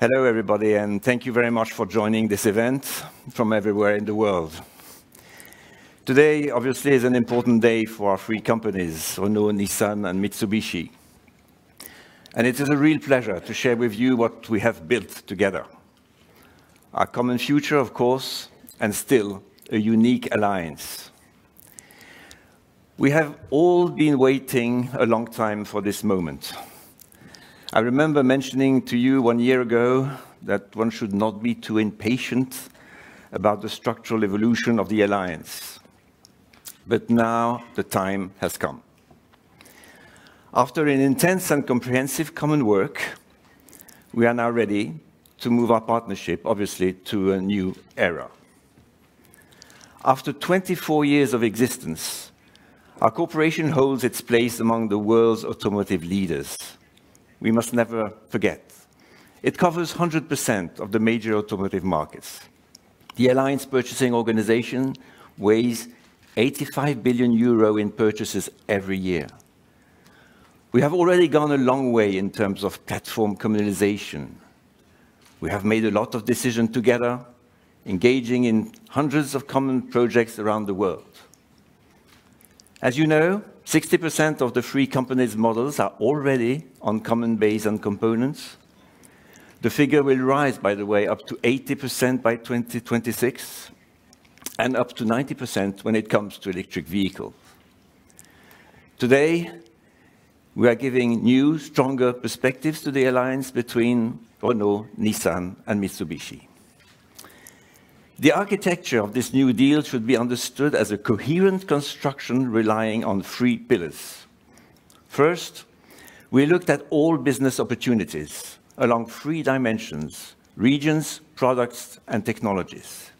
Hello, everybody, and thank you very much for joining this event from everywhere in the world. Today, obviously, is an important day for our three companies, Renault, Nissan and Mitsubishi, and it is a real pleasure to share with you what we have built together. Our common future, of course, and still a unique alliance. We have all been waiting a long time for this moment. I remember mentioning to you one year ago that one should not be too impatient about the structural evolution of the alliance. Now the time has come. After an intense and comprehensive common work, we are now ready to move our partnership, obviously, to a new era. After 24 years of existence, our cooperation holds its place among the world's automotive leaders. We must never forget. It covers 100% of the major automotive markets. The alliance purchasing organization weighs 85 billion euro in purchases every year. We have already gone a long way in terms of platform communalization. We have made a lot of decisions together, engaging in hundreds of common projects around the world. As you know, 60% of the three companies' models are already on common base and components. The figure will rise, by the way, up to 80% by 2026, and up to 90% when it comes to electric vehicles. Today, we are giving new, stronger perspectives to the alliance between Renault, Nissan and Mitsubishi. The architecture of this new deal should be understood as a coherent construction relying on three pillars. First, we looked at all business opportunities along three dimensions: regions, products and technologies.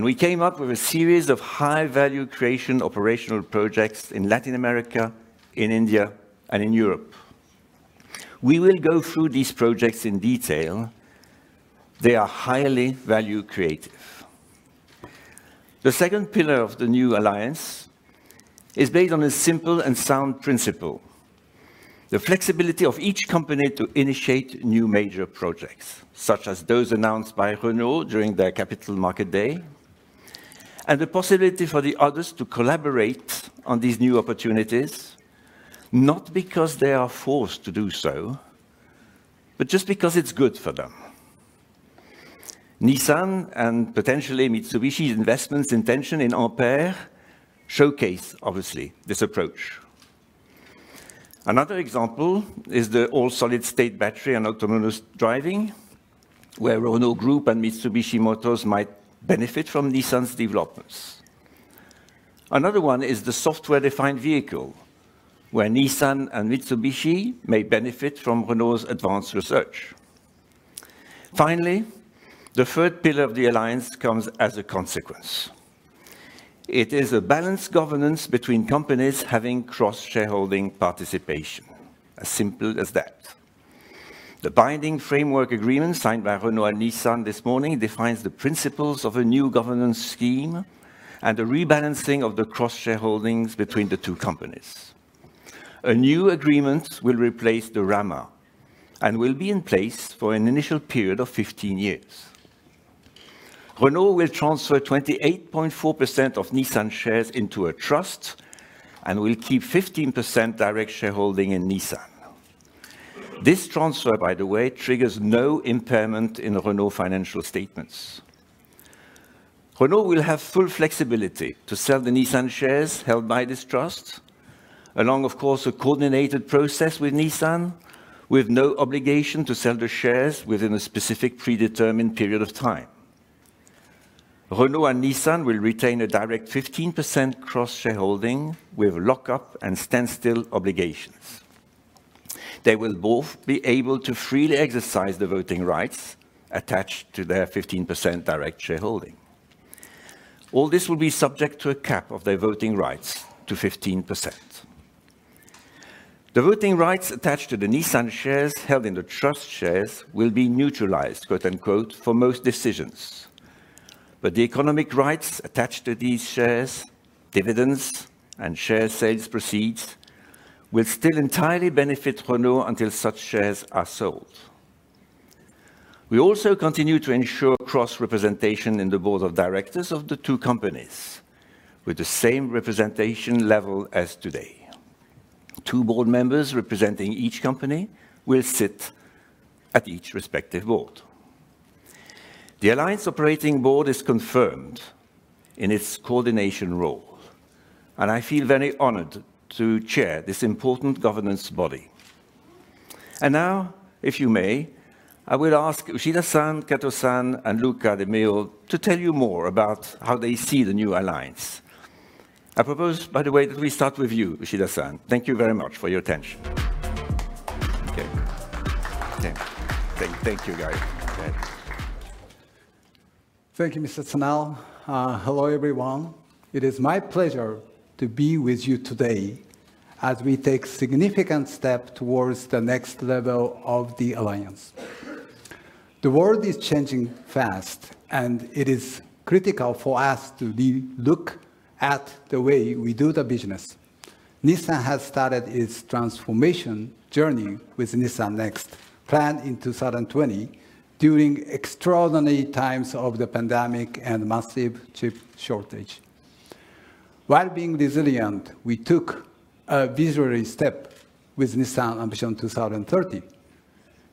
We came up with a series of high value creation operational projects in Latin America, in India and in Europe. We will go through these projects in detail. They are highly value creative. The second pillar of the new Alliance is based on a simple and sound principle. The flexibility of each company to initiate new major projects, such as those announced by Renault during their capital market day, and the possibility for the others to collaborate on these new opportunities, not because they are forced to do so, but just because it's good for them. Nissan and potentially Mitsubishi's investments intention in Ampere showcase, obviously, this approach. Another example is the all-solid-state battery and autonomous driving, where Renault Group and Mitsubishi Motors might benefit from Nissan's developments. Another one is the Software-Defined Vehicle, where Nissan and Mitsubishi may benefit from Renault's advanced research. The third pillar of the Alliance comes as a consequence. It is a balanced governance between companies having cross-shareholding participation. As simple as that. The binding framework agreement signed by Renault and Nissan this morning defines the principles of a new governance scheme and a rebalancing of the cross-shareholdings between the two companies. A new agreement will replace the RAMA, and will be in place for an initial period of 15 years. Renault will transfer 28.4% of Nissan shares into a trust and will keep 15% direct shareholding in Nissan. This transfer, by the way, triggers no impairment in Renault financial statements. Renault will have full flexibility to sell the Nissan shares held by this trust along, of course, a coordinated process with Nissan, with no obligation to sell the shares within a specific predetermined period of time. Renault and Nissan will retain a direct 15% cross-shareholding with lock-up and standstill obligations. They will both be able to freely exercise the voting rights attached to their 15% direct shareholding. All this will be subject to a cap of their voting rights to 15%. The voting rights attached to the Nissan shares held in the trust shares will be neutralized, quote, unquote, "for most decisions", but the economic rights attached to these shares, dividends and share sales proceeds, will still entirely benefit Renault until such shares are sold. We also continue to ensure cross-representation in the board of directors of the two companies with the same representation level as today. Two board members representing each company will sit at each respective board. The Alliance Operating Board is confirmed in its coordination role, and I feel very honored to chair this important governance body. Now, if you may, I will ask Uchida-san, Kato-san, and Luca de Meo to tell you more about how they see the new alliance. I propose, by the way, that we start with you, Uchida-san. Thank you very much for your attention. Okay. Thank you guys. Thank you, Mr. Senard. Hello, everyone. It is my pleasure to be with you today as we take significant step towards the next level of the Alliance. The world is changing fast. It is critical for us to look at the way we do the business. Nissan has started its transformation journey with Nissan NEXT plan in 2020 during extraordinary times of the pandemic and massive chip shortage. While being resilient, we took a visionary step with Nissan Ambition 2030.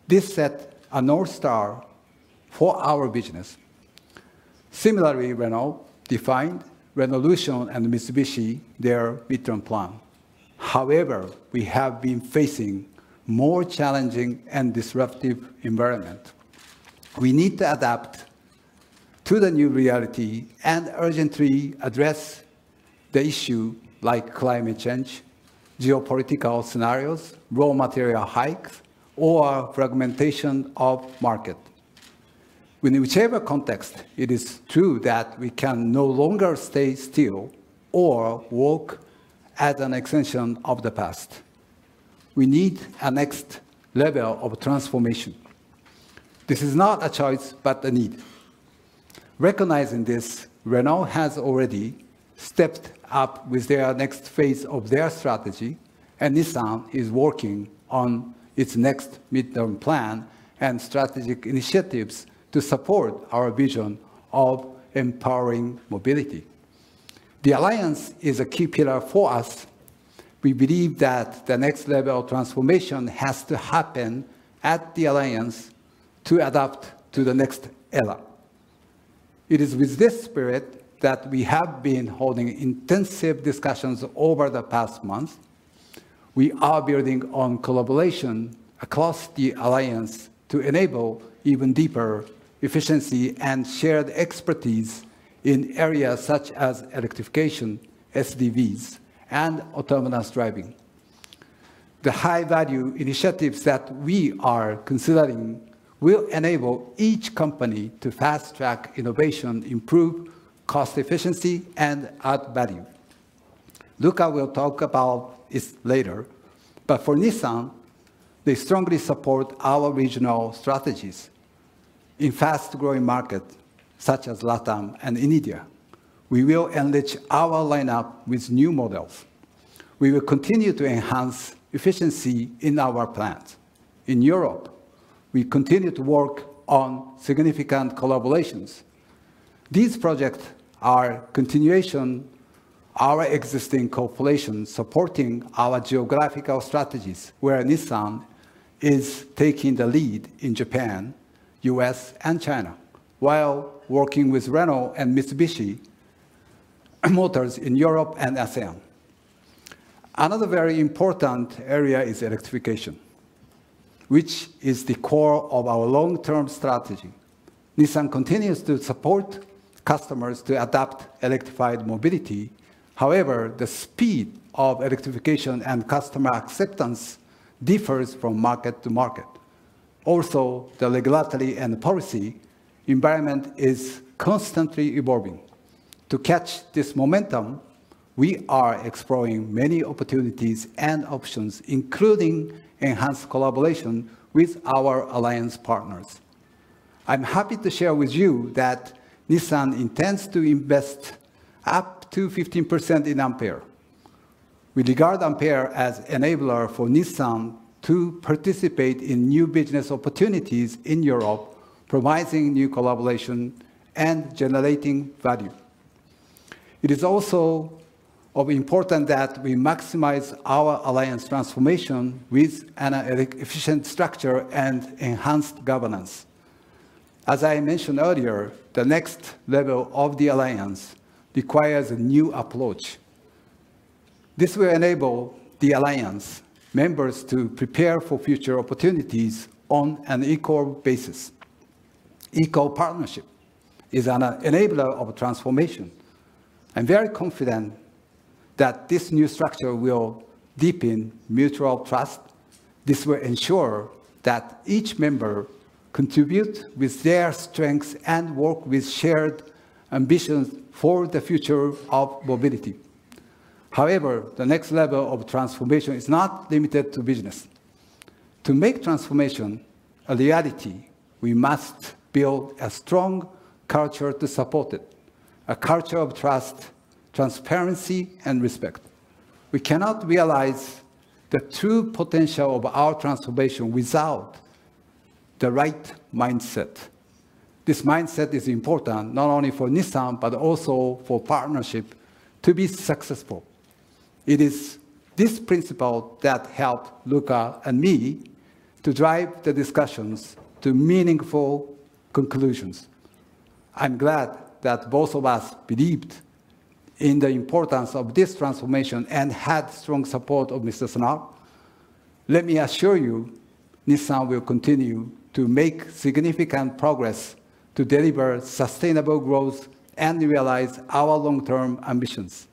This set a North Star for our business. Similarly, Renault defined Renaulution and Mitsubishi their midterm plan. We have been facing more challenging and disruptive environment. We need to adapt to the new reality and urgently address the issue like climate change, geopolitical scenarios, raw material hikes, or fragmentation of market. In whichever context, it is true that we can no longer stay still or work as an extension of the past. We need a next level of transformation. This is not a choice, but a need. Recognizing this, Renault has already stepped up with their next phase of their strategy. Nissan is working on its next midterm plan and strategic initiatives to support our vision of empowering mobility. The Alliance is a key pillar for us. We believe that the next level of transformation has to happen at the Alliance to adapt to the next era. It is with this spirit that we have been holding intensive discussions over the past months. We are building on collaboration across the Alliance to enable even deeper efficiency and shared expertise in areas such as electrification, SDVs and autonomous driving. The high-value initiatives that we are considering will enable each company to fast-track innovation, improve cost efficiency, and add value. Luca will talk about this later. For Nissan, they strongly support our regional strategies. In fast-growing markets such as LatAm and India, we will enrich our lineup with new models. We will continue to enhance efficiency in our plants. In Europe, we continue to work on significant collaborations. These projects are continuation our existing cooperation, supporting our geographical strategies, where Nissan is taking the lead in Japan, U.S., and China, while working with Renault and Mitsubishi Motors in Europe and ASEAN. Another very important area is electrification, which is the core of our long-term strategy. Nissan continues to support customers to adopt electrified mobility. However, the speed of electrification and customer acceptance differs from market to market. Also, the regulatory and policy environment is constantly evolving. To catch this momentum, we are exploring many opportunities and options, including enhanced collaboration with our Alliance partners. I'm happy to share with you that Nissan intends to invest up to 15% in Ampere. We regard Ampere as enabler for Nissan to participate in new business opportunities in Europe, providing new collaboration and generating value. It is also of important that we maximize our Alliance transformation with an efficient structure and enhanced governance. As I mentioned earlier, the next level of the Alliance requires a new approach. This will enable the Alliance members to prepare for future opportunities on an equal basis. Equal partnership is an enabler of transformation. I'm very confident that this new structure will deepen mutual trust. This will ensure that each member contribute with their strengths and work with shared ambitions for the future of mobility. However, the next level of transformation is not limited to business. To make transformation a reality, we must build a strong culture to support it, a culture of trust, transparency, and respect. We cannot realize the true potential of our transformation without the right mindset. This mindset is important not only for Nissan, but also for partnership to be successful. It is this principle that helped Luca and me to drive the discussions to meaningful conclusions. I'm glad that both of us believed in the importance of this transformation and had strong support of Mr. Senard. Let me assure you, Nissan will continue to make significant progress to deliver sustainable growth and realize our long-term ambitions.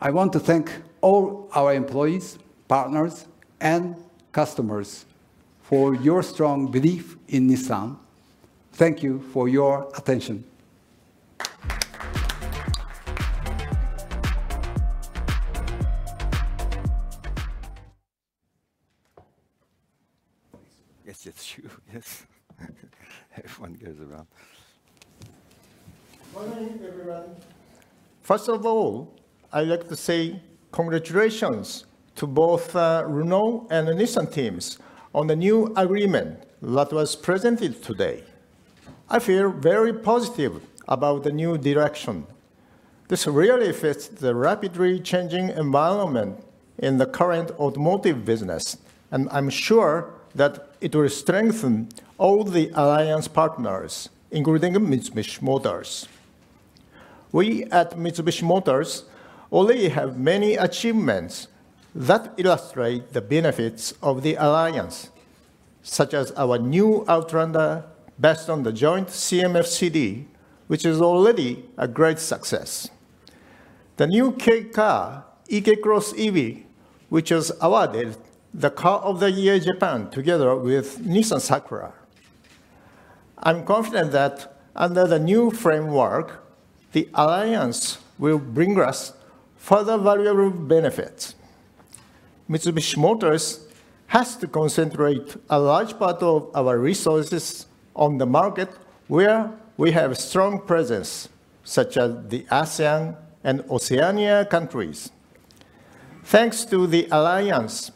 I want to thank all our employees, partners, and customers for your strong belief in Nissan. Thank you for your attention. Yes, it's you. Yes. Everyone goes around. Morning, everyone. First of all, I'd like to say congratulations to both, Renault and the Nissan teams on the new agreement that was presented today. I feel very positive about the new direction. This really fits the rapidly changing environment in the current automotive business, and I'm sure that it will strengthen all the alliance partners, including Mitsubishi Motors. We at Mitsubishi Motors already have many achievements that illustrate the benefits of the alliance, such as our new Outlander based on the joint CMF-CD which is already a great success. The new Kei car, eK X EV, which was awarded the Japan Car of the Year together with Nissan Sakura. I'm confident that under the new framework, the alliance will bring us further valuable benefits. Mitsubishi Motors has to concentrate a large part of our resources on the market where we have strong presence, such as the ASEAN and Oceania countries. Thanks to the Alliance,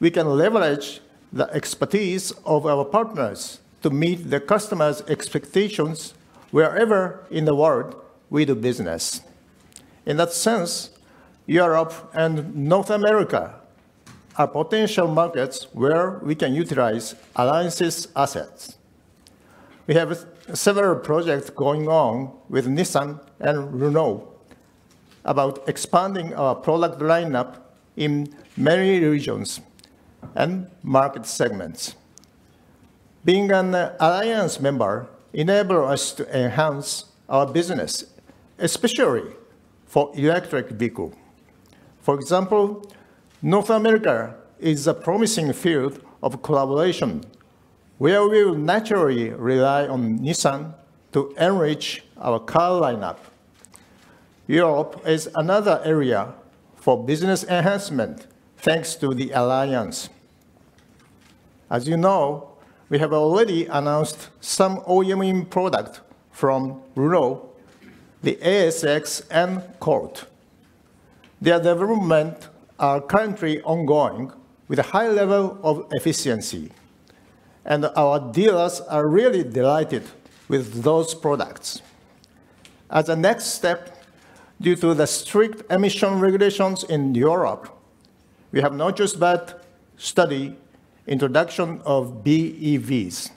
we can leverage the expertise of our partners to meet the customers' expectations wherever in the world we do business. In that sense, Europe and North America are potential markets where we can utilize Alliance's assets. We have several projects going on with Nissan and Renault about expanding our product lineup in many regions and market segments. Being an Alliance member enable us to enhance our business, especially for electric vehicle. For example, North America is a promising field of collaboration where we will naturally rely on Nissan to enrich our car lineup. Europe is another area for business enhancement, thanks to the Alliance. As you know, we have already announced some OEM product from Renault, the ASX and Colt. Their development are currently ongoing with a high level of efficiency, and our dealers are really delighted with those products. As a next step, due to the strict emission regulations in Europe, we have not just but study introduction of BEVs.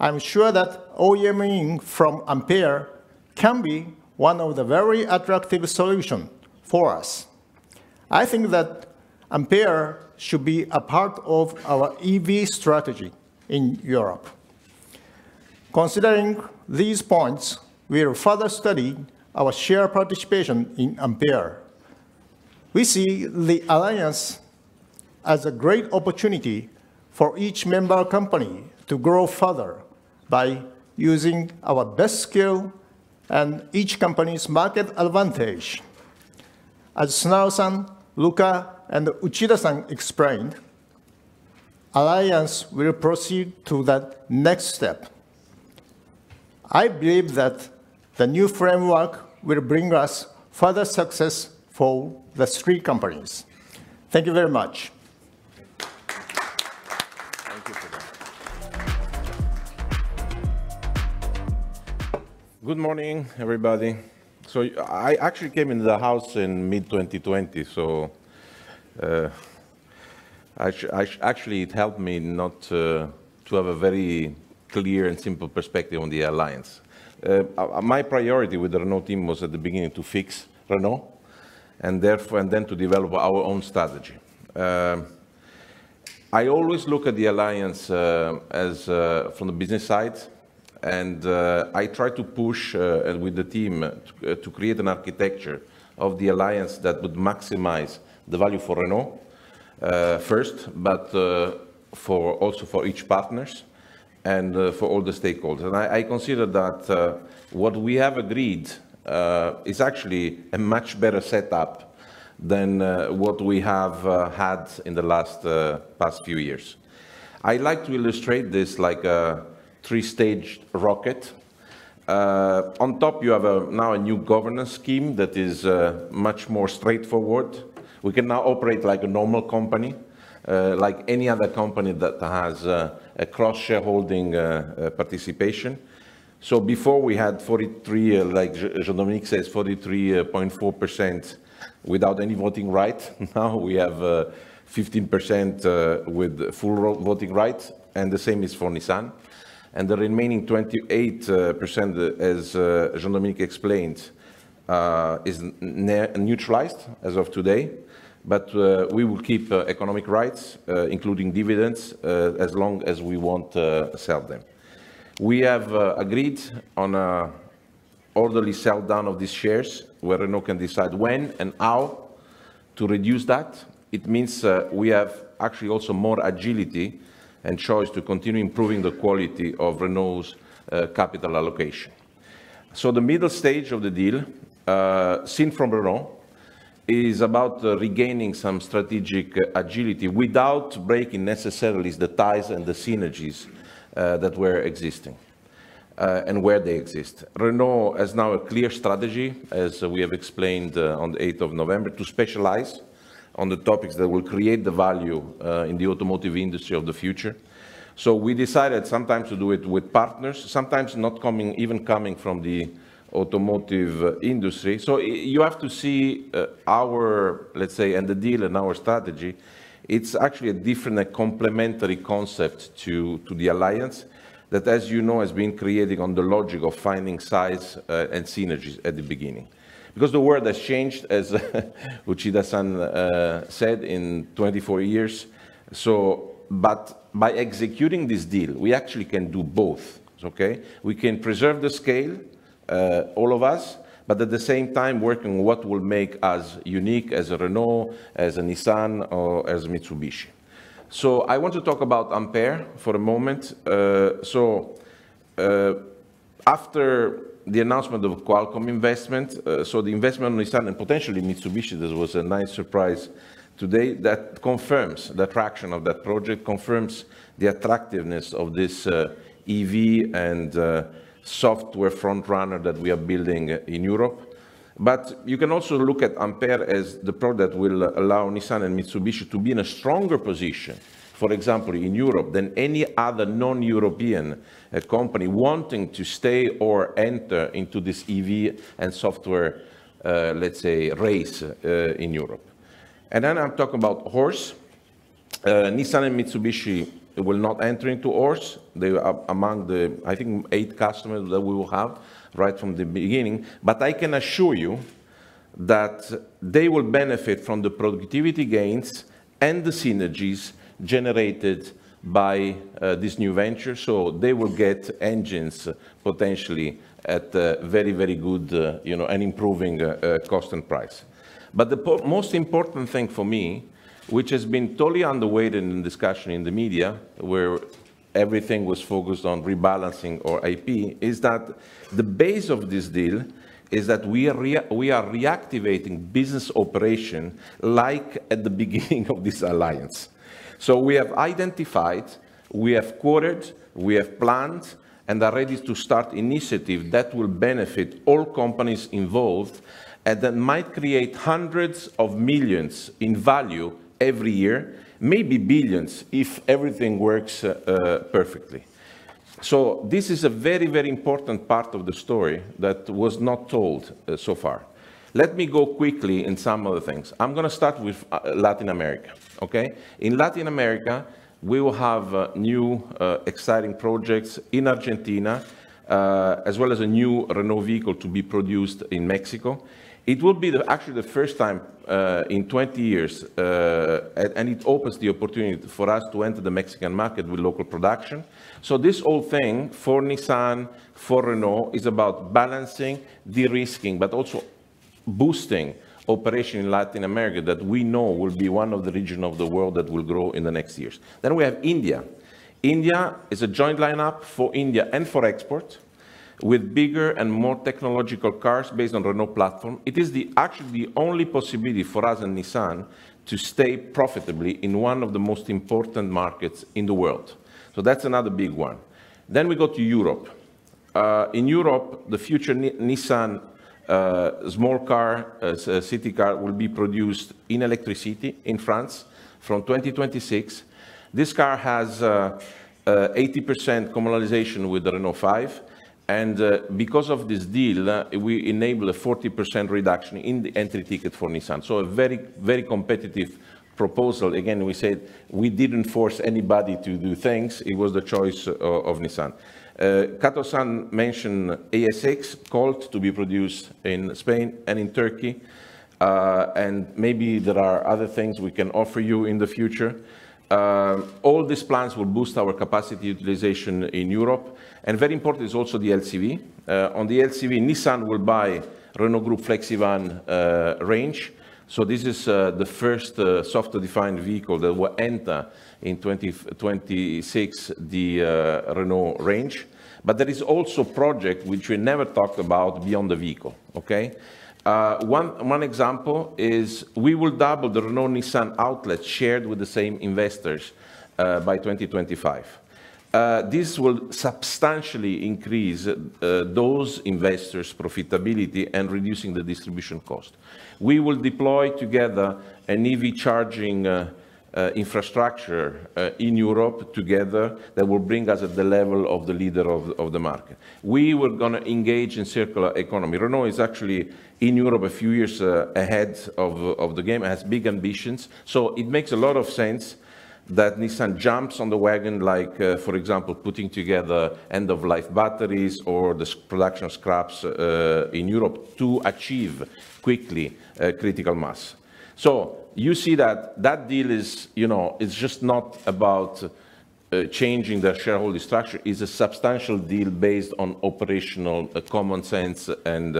I'm sure that OEMing from Ampere can be one of the very attractive solution for us. I think that Ampere should be a part of our EV strategy in Europe. Considering these points, we'll further study our share participation in Ampere. We see the Alliance as a great opportunity for each member company to grow further by using our best skill and each company's market advantage. As Senard-san, Luca, and Uchida-san explained, Alliance will proceed to that next step. I believe that the new framework will bring us further success for the three companies. Thank you very much. Thank you. Thank you for that. Good morning, everybody. I actually came into the house in mid 2020, it helped me not to have a very clear and simple perspective on the Alliance. My priority with the Renault team was at the beginning to fix Renault, and then to develop our own strategy. I always look at the Alliance as from the business side, and I try to push and with the team to create an architecture of the Alliance that would maximize the value for Renault first, but for also for each partners and for all the stakeholders. I consider that what we have agreed is actually a much better setup than what we have had in the last past few years. I like to illustrate this like a three-stage rocket. On top you have a now a new governance scheme that is much more straightforward. We can now operate like a normal company, like any other company that has a cross-shareholding participation. Before we had 43%, like Jean-Dominique says, 43.4% without any voting right. Now we have 15%, with full voting rights, and the same is for Nissan. The remaining 28%, as Jean-Dominique explained, is neutralized as of today. We will keep economic rights, including dividends, as long as we won't sell them. We have agreed on a orderly sell down of these shares, where Renault can decide when and how to reduce that. It means, we have actually also more agility and choice to continue improving the quality of Renault's capital allocation. The middle stage of the deal, seen from Renault is about regaining some strategic agility without breaking necessarily the ties and the synergies that were existing, and where they exist. Renault has now a clear strategy, as we have explained, on 8 November, to specialize on the topics that will create the value in the automotive industry of the future. We decided sometimes to do it with partners, sometimes not coming, even coming from the automotive industry. You have to see our, let's say, and the deal and our strategy, it's actually a different, a complementary concept to the alliance that, as you know, has been created on the logic of finding size and synergies at the beginning. Because the world has changed, as Uchida-san said, in 24 years. But by executing this deal, we actually can do both. It's okay? We can preserve the scale, all of us, but at the same time working what will make us unique as a Renault, as a Nissan, or as Mitsubishi. I want to talk about Ampere for a moment. After the announcement of Qualcomm investment, the investment on Nissan and potentially Mitsubishi, this was a nice surprise today, that confirms the traction of that project, confirms the attractiveness of this EV and software front runner that we are building in Europe. You can also look at Ampere as the product that will allow Nissan and Mitsubishi to be in a stronger position, for example, in Europe than any other non-European company wanting to stay or enter into this EV and software, let's say, race in Europe. I'll talk about HORSE. Nissan and Mitsubishi will not enter into HORSE. They are among the, I think, eight customers that we will have right from the beginning. I can assure you that they will benefit from the productivity gains and the synergies generated by this new venture, so they will get engines potentially at a very, very good, you know, and improving cost and price. The most important thing for me, which has been totally underweight in discussion in the media, where everything was focused on rebalancing our IP, is that the base of this deal is that we are reactivating business operation like at the beginning of this alliance. We have identified, we have quoted, we have planned, and are ready to start initiative that will benefit all companies involved, and that might create hundreds of millions in value every year, maybe billions if everything works perfectly. This is a very, very important part of the story that was not told so far. Let me go quickly in some other things. I'm gonna start with Latin America, okay? In Latin America, we will have new exciting projects in Argentina, as well as a new Renault vehicle to be produced in Mexico. It will be actually the first time in 20 years, and it opens the opportunity for us to enter the Mexican market with local production. This whole thing for Nissan, for Renault, is about balancing, de-risking, but also boosting operation in Latin America that we know will be one of the region of the world that will grow in the next years. We have India. India is a joint lineup for India and for export, with bigger and more technological cars based on Renault platform. It is the only possibility for us and Nissan to stay profitably in one of the most important markets in the world. That's another big one. We go to Europe. In Europe, the future Nissan small car, city car will be produced in ElectriCity in France from 2026. This car has 80% commonalization with the Renault 5, because of this deal, we enable a 40% reduction in the entry ticket for Nissan. A very, very competitive proposal. Again, we said we didn't force anybody to do things. It was the choice of Nissan. Kato-san mentioned ASX Colt to be produced in Spain and in Turkey, maybe there are other things we can offer you in the future. All these plans will boost our capacity utilization in Europe. Very important is also the LCV. On the LCV, Nissan will buy Renault Group FlexEVan range. This is the first Software-Defined Vehicle that will enter in 2026 the Renault range. There is also project which we never talked about beyond the vehicle. One example is we will double the Renault-Nissan outlets shared with the same investors by 2025. This will substantially increase those investors' profitability and reducing the distribution cost. We will deploy together an EV charging infrastructure in Europe together that will bring us at the level of the leader of the market. We were gonna engage in circular economy. Renault is actually in Europe a few years ahead of the game. It has big ambitions. It makes a lot of sense that Nissan jumps on the wagon like, for example, putting together end-of-life batteries or the production of scraps in Europe to achieve quickly, critical mass. You see that that deal is, you know, is just not about... Changing the shareholder structure is a substantial deal based on operational common sense and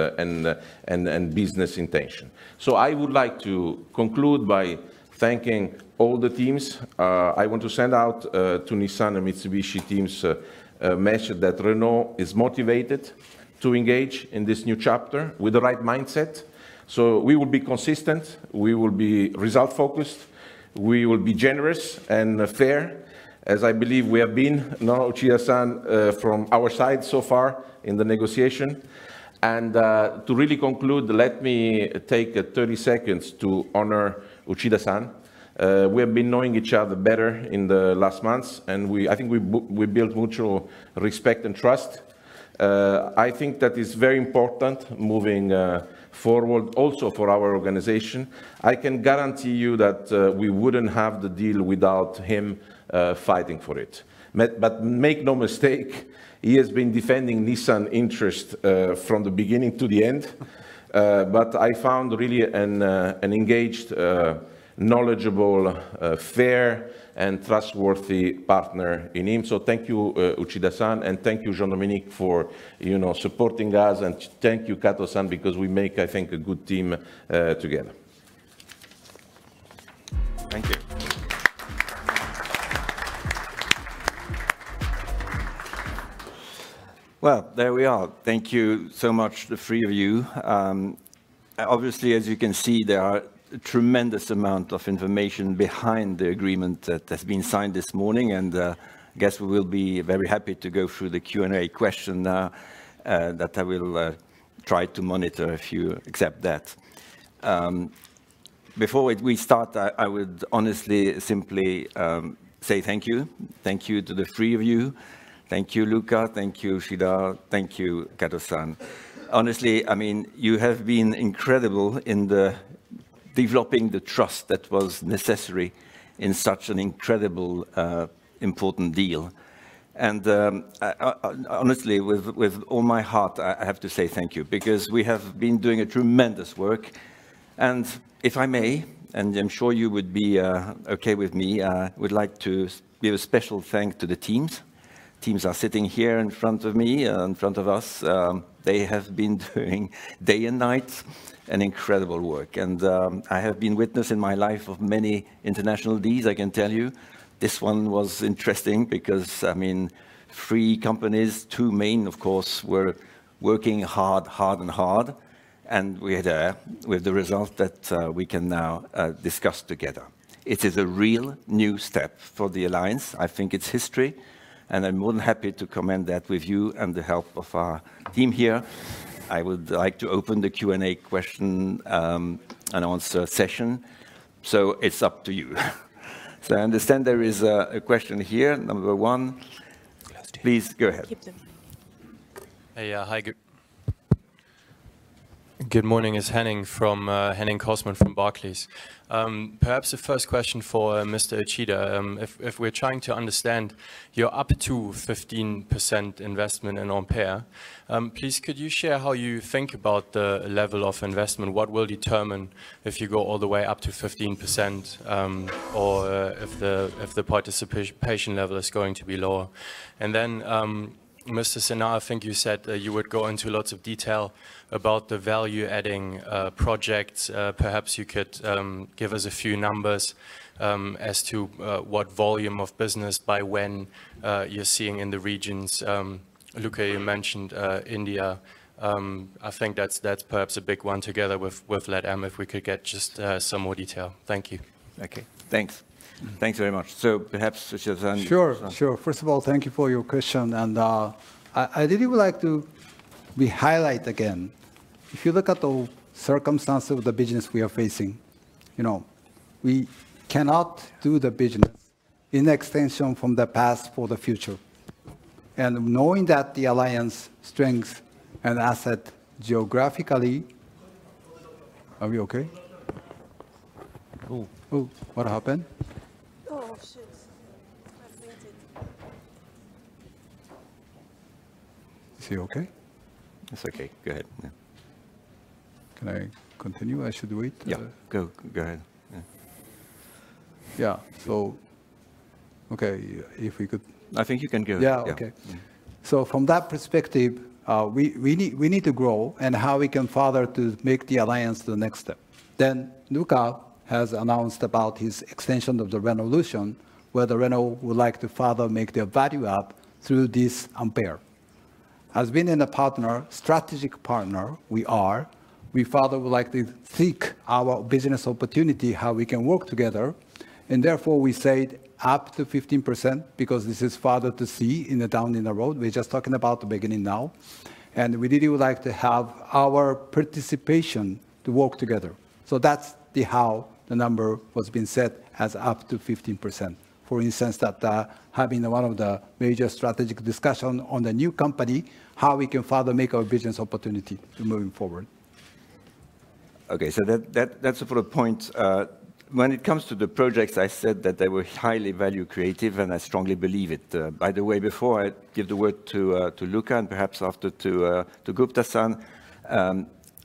business intention. I would like to conclude by thanking all the teams. I want to send out to Nissan and Mitsubishi teams a message that Renault is motivated to engage in this new chapter with the right mindset. We will be consistent, we will be result-focused, we will be generous and fair, as I believe we have been, know Uchida-san from our side so far in the negotiation. To really conclude, let me take 30 seconds to honor Uchida-san. We have been knowing each other better in the last months, and we built mutual respect and trust. I think that is very important moving forward also for our organization. I can guarantee you that we wouldn't have the deal without him fighting for it. Make no mistake, he has been defending Nissan interest from the beginning to the end. I found really an engaged, knowledgeable, fair, and trustworthy partner in him. Thank you, Uchida-san, and thank you Jean-Dominique for, you know, supporting us. Thank you Kato-san, because we make, I think, a good team together. Thank you. Well, there we are. Thank you so much, the three of you. Obviously, as you can see, there are a tremendous amount of information behind the agreement that has been signed this morning. I guess we will be very happy to go through the Q&A question now that I will try to monitor if you accept that. Before we start, I would honestly simply say thank you. Thank you to the three of you. Thank you, Luca. Thank you, Uchida. Thank you, Kato-san. Honestly, I mean, you have been incredible in developing the trust that was necessary in such an incredible, important deal. Honestly, with all my heart, I have to say thank you because we have been doing a tremendous work. If I may, I'm sure you would be okay with me, I would like to give a special thank to the teams. Teams are sitting here in front of me, in front of us. They have been doing day and night an incredible work. I have been witness in my life of many international deals. I can tell you this one was interesting because, I mean, three companies, two main, of course, were working hard and hard. We had with the result that we can now discuss together. It is a real new step for the Alliance. I think it's history, and I'm more than happy to commend that with you and the help of our team here. I would like to open the Q&A question and answer session. It's up to you. I understand there is a question here, number one. Please go ahead. Keep the mic. Hey, hi, good morning. It's Henning from Henning Cosman from Barclays. Perhaps the first question for Mr. Uchida. If we're trying to understand your up to 15% investment in Ampere, please could you share how you think about the level of investment? What will determine if you go all the way up to 15%, or if the participation level is going to be lower? Mr. Senard, I think you said that you would go into lots of detail about the value-adding projects. Perhaps you could give us a few numbers as to what volume of business by when you're seeing in the regions. Luca, you mentioned India. I think that's perhaps a big one together with LatAm, if we could get just some more detail. Thank you. Okay. Thanks. Thanks very much. Perhaps, Mr. Senard. Sure, sure. First of all, thank you for your question. I really would like to re-highlight again, if you look at the circumstance of the business we are facing, you know, we cannot do the business in extension from the past for the future. Knowing that the Alliance strength and asset geographically. Are we okay? Oh. Oh, what happened? Oh, shoot. It's connected. Is he okay? It's okay. Go ahead. Yeah. Can I continue? I should wait? Yeah. Go ahead. Yeah. Yeah. Okay, if we could. I think you can go. Yeah. Okay. Yeah. From that perspective, we need to grow and how we can further to make the Alliance to the next step. Luca has announced about his extension of the Renaulution, where Renault would like to further make their value up through this Ampere. As being a partner, strategic partner we are, we further would like to think our business opportunity, how we can work together. Therefore, we said up to 15% because this is further to see in the down in the road. We're just talking about the beginning now. We really would like to have our participation to work together. That's the how the number was being set as up to 15%. For instance, that, having one of the major strategic discussion on the new company, how we can further make our business opportunity to moving forward. Okay. That's a lot of points. When it comes to the projects, I said that they were highly value creative, and I strongly believe it. By the way, before I give the word to Luca and perhaps after to Gupta-san,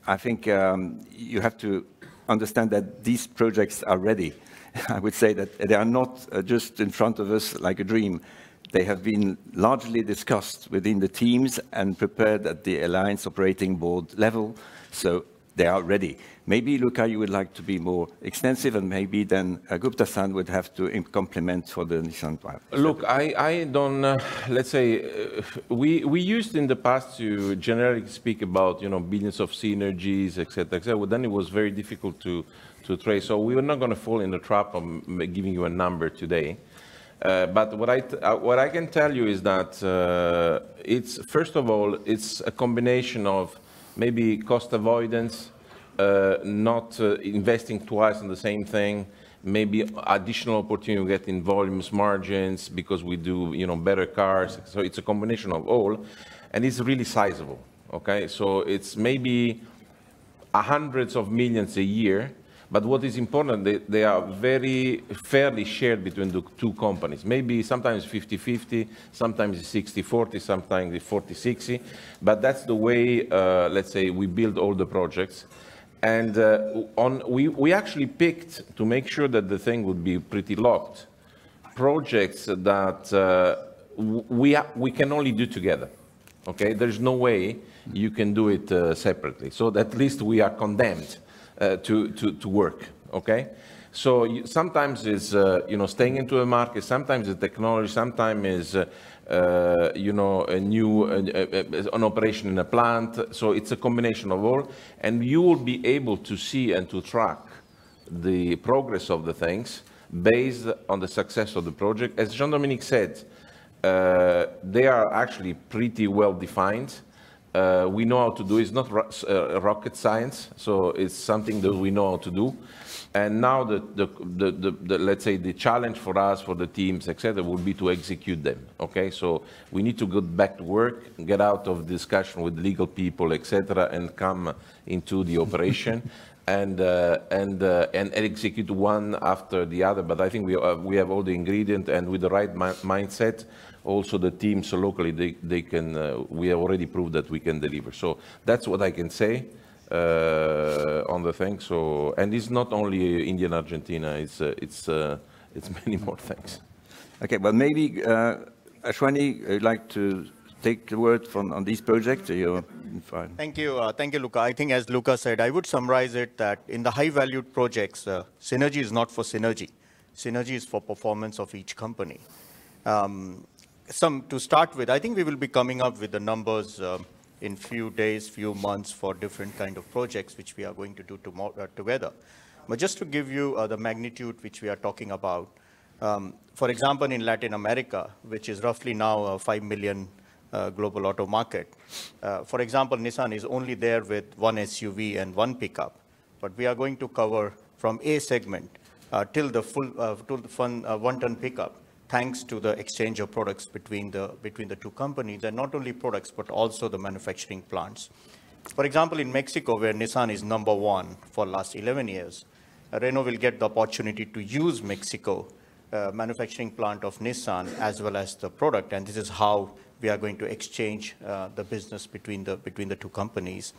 I think you have to understand that these projects are ready. I would say that they are not just in front of us like a dream. They have been largely discussed within the teams and prepared at the Alliance Operating Board level, so they are ready. Maybe, Luca, you would like to be more extensive, and maybe then Gupta-san would have to complement for the Nissan part. Look, I don't. Let's say, we used in the past to generally speak about, you know, billions of synergies, et cetera, et cetera, but then it was very difficult to trace. We were not gonna fall in the trap of giving you a number today. What I can tell you is that, it's first of all, it's a combination of maybe cost avoidance, not investing twice in the same thing, maybe additional opportunity we get in volumes, margins because we do, you know, better cars. It's a combination of all, and it's really sizable, okay? It's maybe hundreds of millions a year. What is important, they are very fairly shared between the two companies. Maybe sometimes 50-50, sometimes 60-40, sometimes 40-60. That's the way, let's say, we build all the projects. We, we actually picked to make sure that the thing would be pretty locked. Projects that we can only do together, okay? There's no way you can do it separately. At least we are condemned to work, okay? Sometimes it's, you know, staying into a market, sometimes it's technology, sometimes it's, you know, a new an operation in a plant. It's a combination of all. You will be able to see and to track the progress of the things based on the success of the project. As Jean-Dominique said, they are actually pretty well-defined. We know how to do. It's not rocket science, so it's something that we know how to do. Now the, let's say, the challenge for us, for the teams, et cetera, will be to execute them, okay. We need to go back to work and get out of discussion with legal people, et cetera, and come into the operation and execute one after the other. I think we have all the ingredients and with the right mindset, also the teams locally, they can. We have already proved that we can deliver. That's what I can say on the thing. It's not only India and Argentina. It's many more things. Okay. Well, maybe, Ashwani would like to take the word on this project. You're fine. Thank you. Thank you, Luca. I think as Luca said, I would summarize it that in the high-value projects, synergy is not for synergy. Synergy is for performance of each company. Some to start with, I think we will be coming up with the numbers in few days, few months for different kind of projects which we are going to do together. Just to give you the magnitude which we are talking about, for example, in Latin America, which is roughly now a 5 million global auto market, for example, Nissan is only there with one SUV and one pickup. We are going to cover from A-segment till the full, till the fun, one-ton pickup, thanks to the exchange of products between the two companies, and not only products, but also the manufacturing plants. For example, in Mexico, where Nissan is number one for last 11 years, Renault will get the opportunity to use Mexico manufacturing plant of Nissan as well as the product, and this is how we are going to exchange the business between the two companies.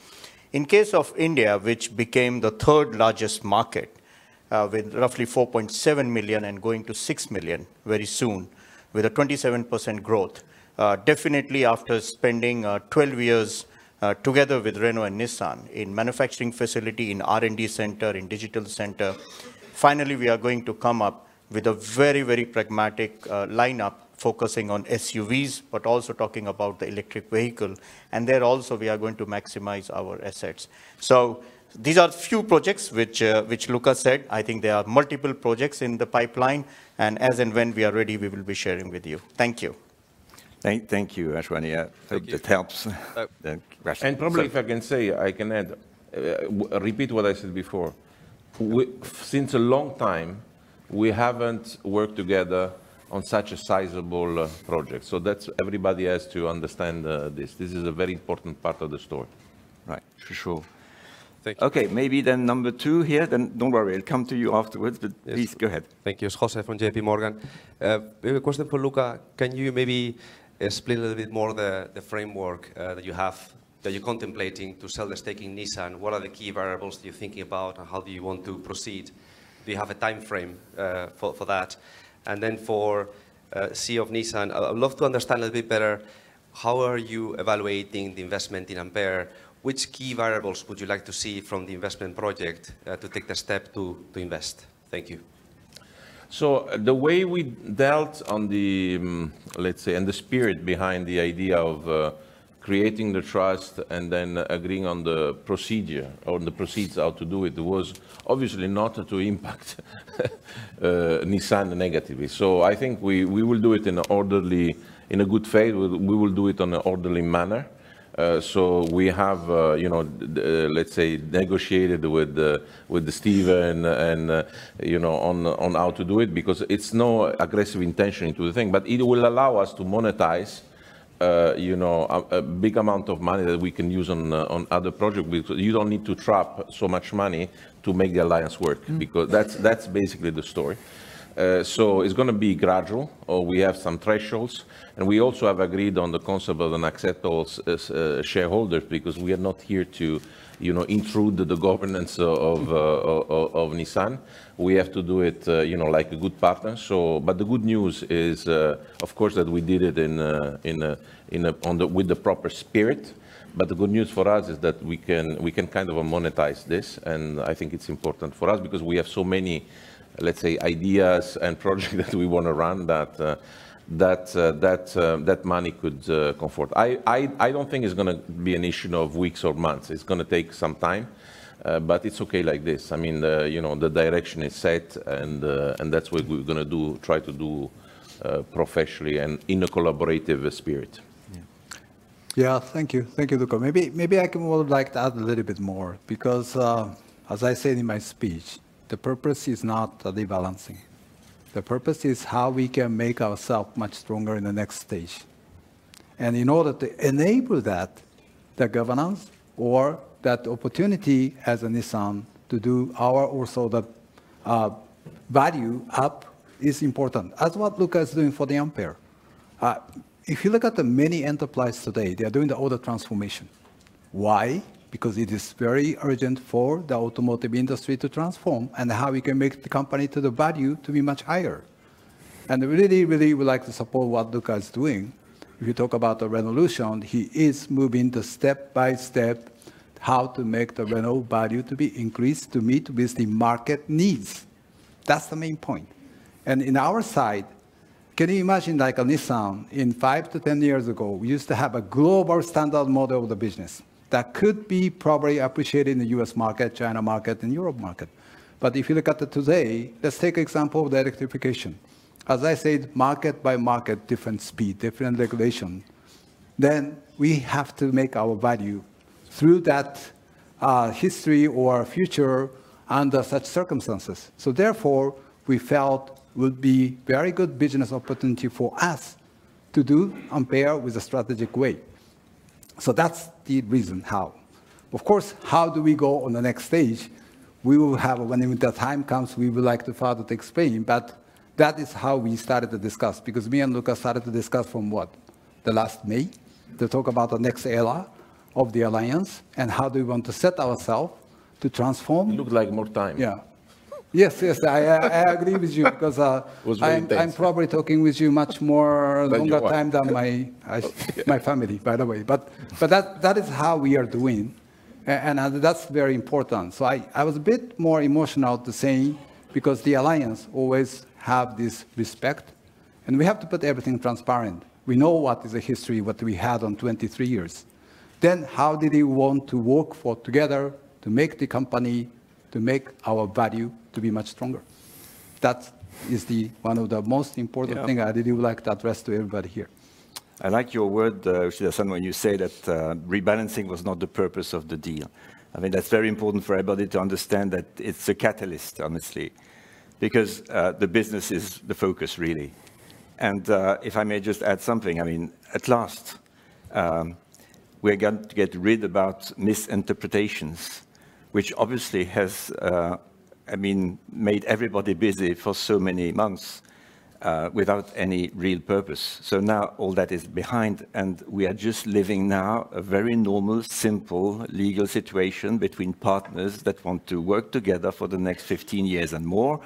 In case of India, which became the third-largest market with roughly 4.7 million and going to 6 million very soon with a 27% growth, definitely after spending 12 years together with Renault and Nissan in manufacturing facility, in R&D center, in digital center. Finally, we are going to come up with a very, very pragmatic, lineup focusing on SUVs, but also talking about the electric vehicle. There also we are going to maximize our assets. These are few projects which Luca said. I think there are multiple projects in the pipeline, as and when we are ready, we will be sharing with you. Thank you. Thank you, Ashwani. Thank you. It helps. Jean-Dominique. Probably if I can say, I can add, repeat what I said before. Since a long time, we haven't worked together on such a sizable project. That's everybody has to understand this. This is a very important part of the story. Right. For sure. Thank you. Okay. Maybe then number two here, then don't worry, I'll come to you afterwards. Please go ahead. Thank you. It's Jose from JPMorgan. We have a question for Luca. Can you maybe explain a little bit more the framework that you have, that you're contemplating to sell the stake in Nissan? What are the key variables you're thinking about, and how do you want to proceed? Do you have a timeframe for that? For CEO of Nissan, I'd love to understand a little bit better how are you evaluating the investment in Ampere? Which key variables would you like to see from the investment project to take the step to invest? Thank you. The way we dealt on the, let's say, and the spirit behind the idea of creating the trust and then agreeing on the procedure or the proceeds how to do it was obviously not to impact Nissan negatively. I think we will do it in a orderly, in a good faith. We will do it in a orderly manner. We have, you know, let's say, negotiated with Stephen and, you know, on how to do it because it's no aggressive intention to the thing. It will allow us to monetize, you know, a big amount of money that we can use on other project because you don't need to trap so much money to make the Alliance work. That's basically the story. It's gonna be gradual. We have some thresholds, and we also have agreed on the concept of an accept all as shareholders because we are not here to, you know, intrude the governance of Nissan. We have to do it, you know, like a good partner. But the good news is, of course, that we did it in a, with the proper spirit. The good news for us is that we can, we can kind of monetize this, and I think it's important for us because we have so many, let's say, ideas and projects that we wanna run that, that money could comfort. I don't think it's gonna be an issue of weeks or months. It's gonna take some time, but it's okay like this. I mean, the, you know, the direction is set and that's what we're gonna do, try to do, professionally and in a collaborative spirit. Yeah. Yeah. Thank you. Thank you, Luca. Maybe I would like to add a little bit more because as I said in my speech, the purpose is not the rebalancing. The purpose is how we can make ourself much stronger in the next stage. In order to enable that, the governance or that opportunity as a Nissan to do our also the value up is important, as what Luca is doing for the Ampere. If you look at the many enterprise today, they are doing the order transformation. Why? Because it is very urgent for the automotive industry to transform and how we can make the company to the value to be much higher. We really would like to support what Luca is doing. If you talk about the Renaulution, he is moving the step-by-step how to make the Renault value to be increased to meet with the market needs. That's the main point. In our side, can you imagine like a Nissan in 5-10 years ago, we used to have a global standard model of the business that could be probably appreciated in the U.S. market, China market, and Europe market. If you look at it today, let's take example of the electrification. As I said, market by market, different speed, different regulation, then we have to make our value through that history or future under such circumstances. Therefore, we felt would be very good business opportunity for us to do Ampere with a strategic way. That's the reason how. Of course, how do we go on the next stage? We will have when the time comes, we would like to further explain. That is how we started to discuss because me and Luca started to discuss from what? The last May to talk about the next era of the Alliance and how do we want to set ourself to transform- It looked like more time. Yeah. Yes. I agree with you because... It was very intense. I'm probably talking with you much more. Than your wife.... Longer time than my family, by the way. That is how we are doing and that's very important. I was a bit more emotional to saying because the Alliance always have this respect, and we have to put everything transparent. We know what is the history, what we had on 23 years. How do we want to work for together to make the company, to make our value to be much stronger? That is the one of the most important thing. Yeah I really would like to address to everybody here. I like your word, Uchida-san, when you say that rebalancing was not the purpose of the deal. I mean, that's very important for everybody to understand that it's a catalyst, honestly. The business is the focus, really. If I may just add something, I mean, at last, we're going to get rid about misinterpretations, which obviously has, I mean, made everybody busy for so many months, without any real purpose. Now all that is behind, and we are just living now a very normal, simple legal situation between partners that want to work together for the next 15 years and more.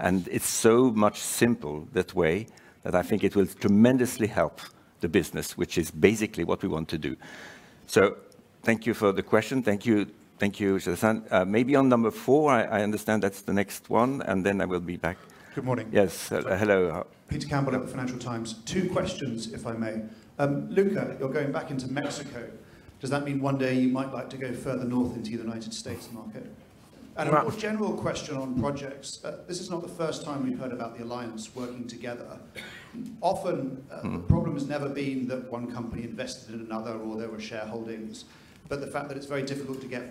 It's so much simple that way that I think it will tremendously help the business, which is basically what we want to do. Thank you for the question. Thank you, thank you, Uchida-san. maybe on number four, I understand that's the next one, and then I will be back. Good morning. Yes. Hello. Peter Campbell at the Financial Times. Two questions, if I may. Luca, you're going back into Mexico. Does that mean one day you might like to go further north into the United States market? No. Of course, general question on projects. This is not the first time we've heard about the Alliance working together. Mm-hmm The problem has never been that one company invested in another or there were shareholdings, but the fact that it's very difficult to get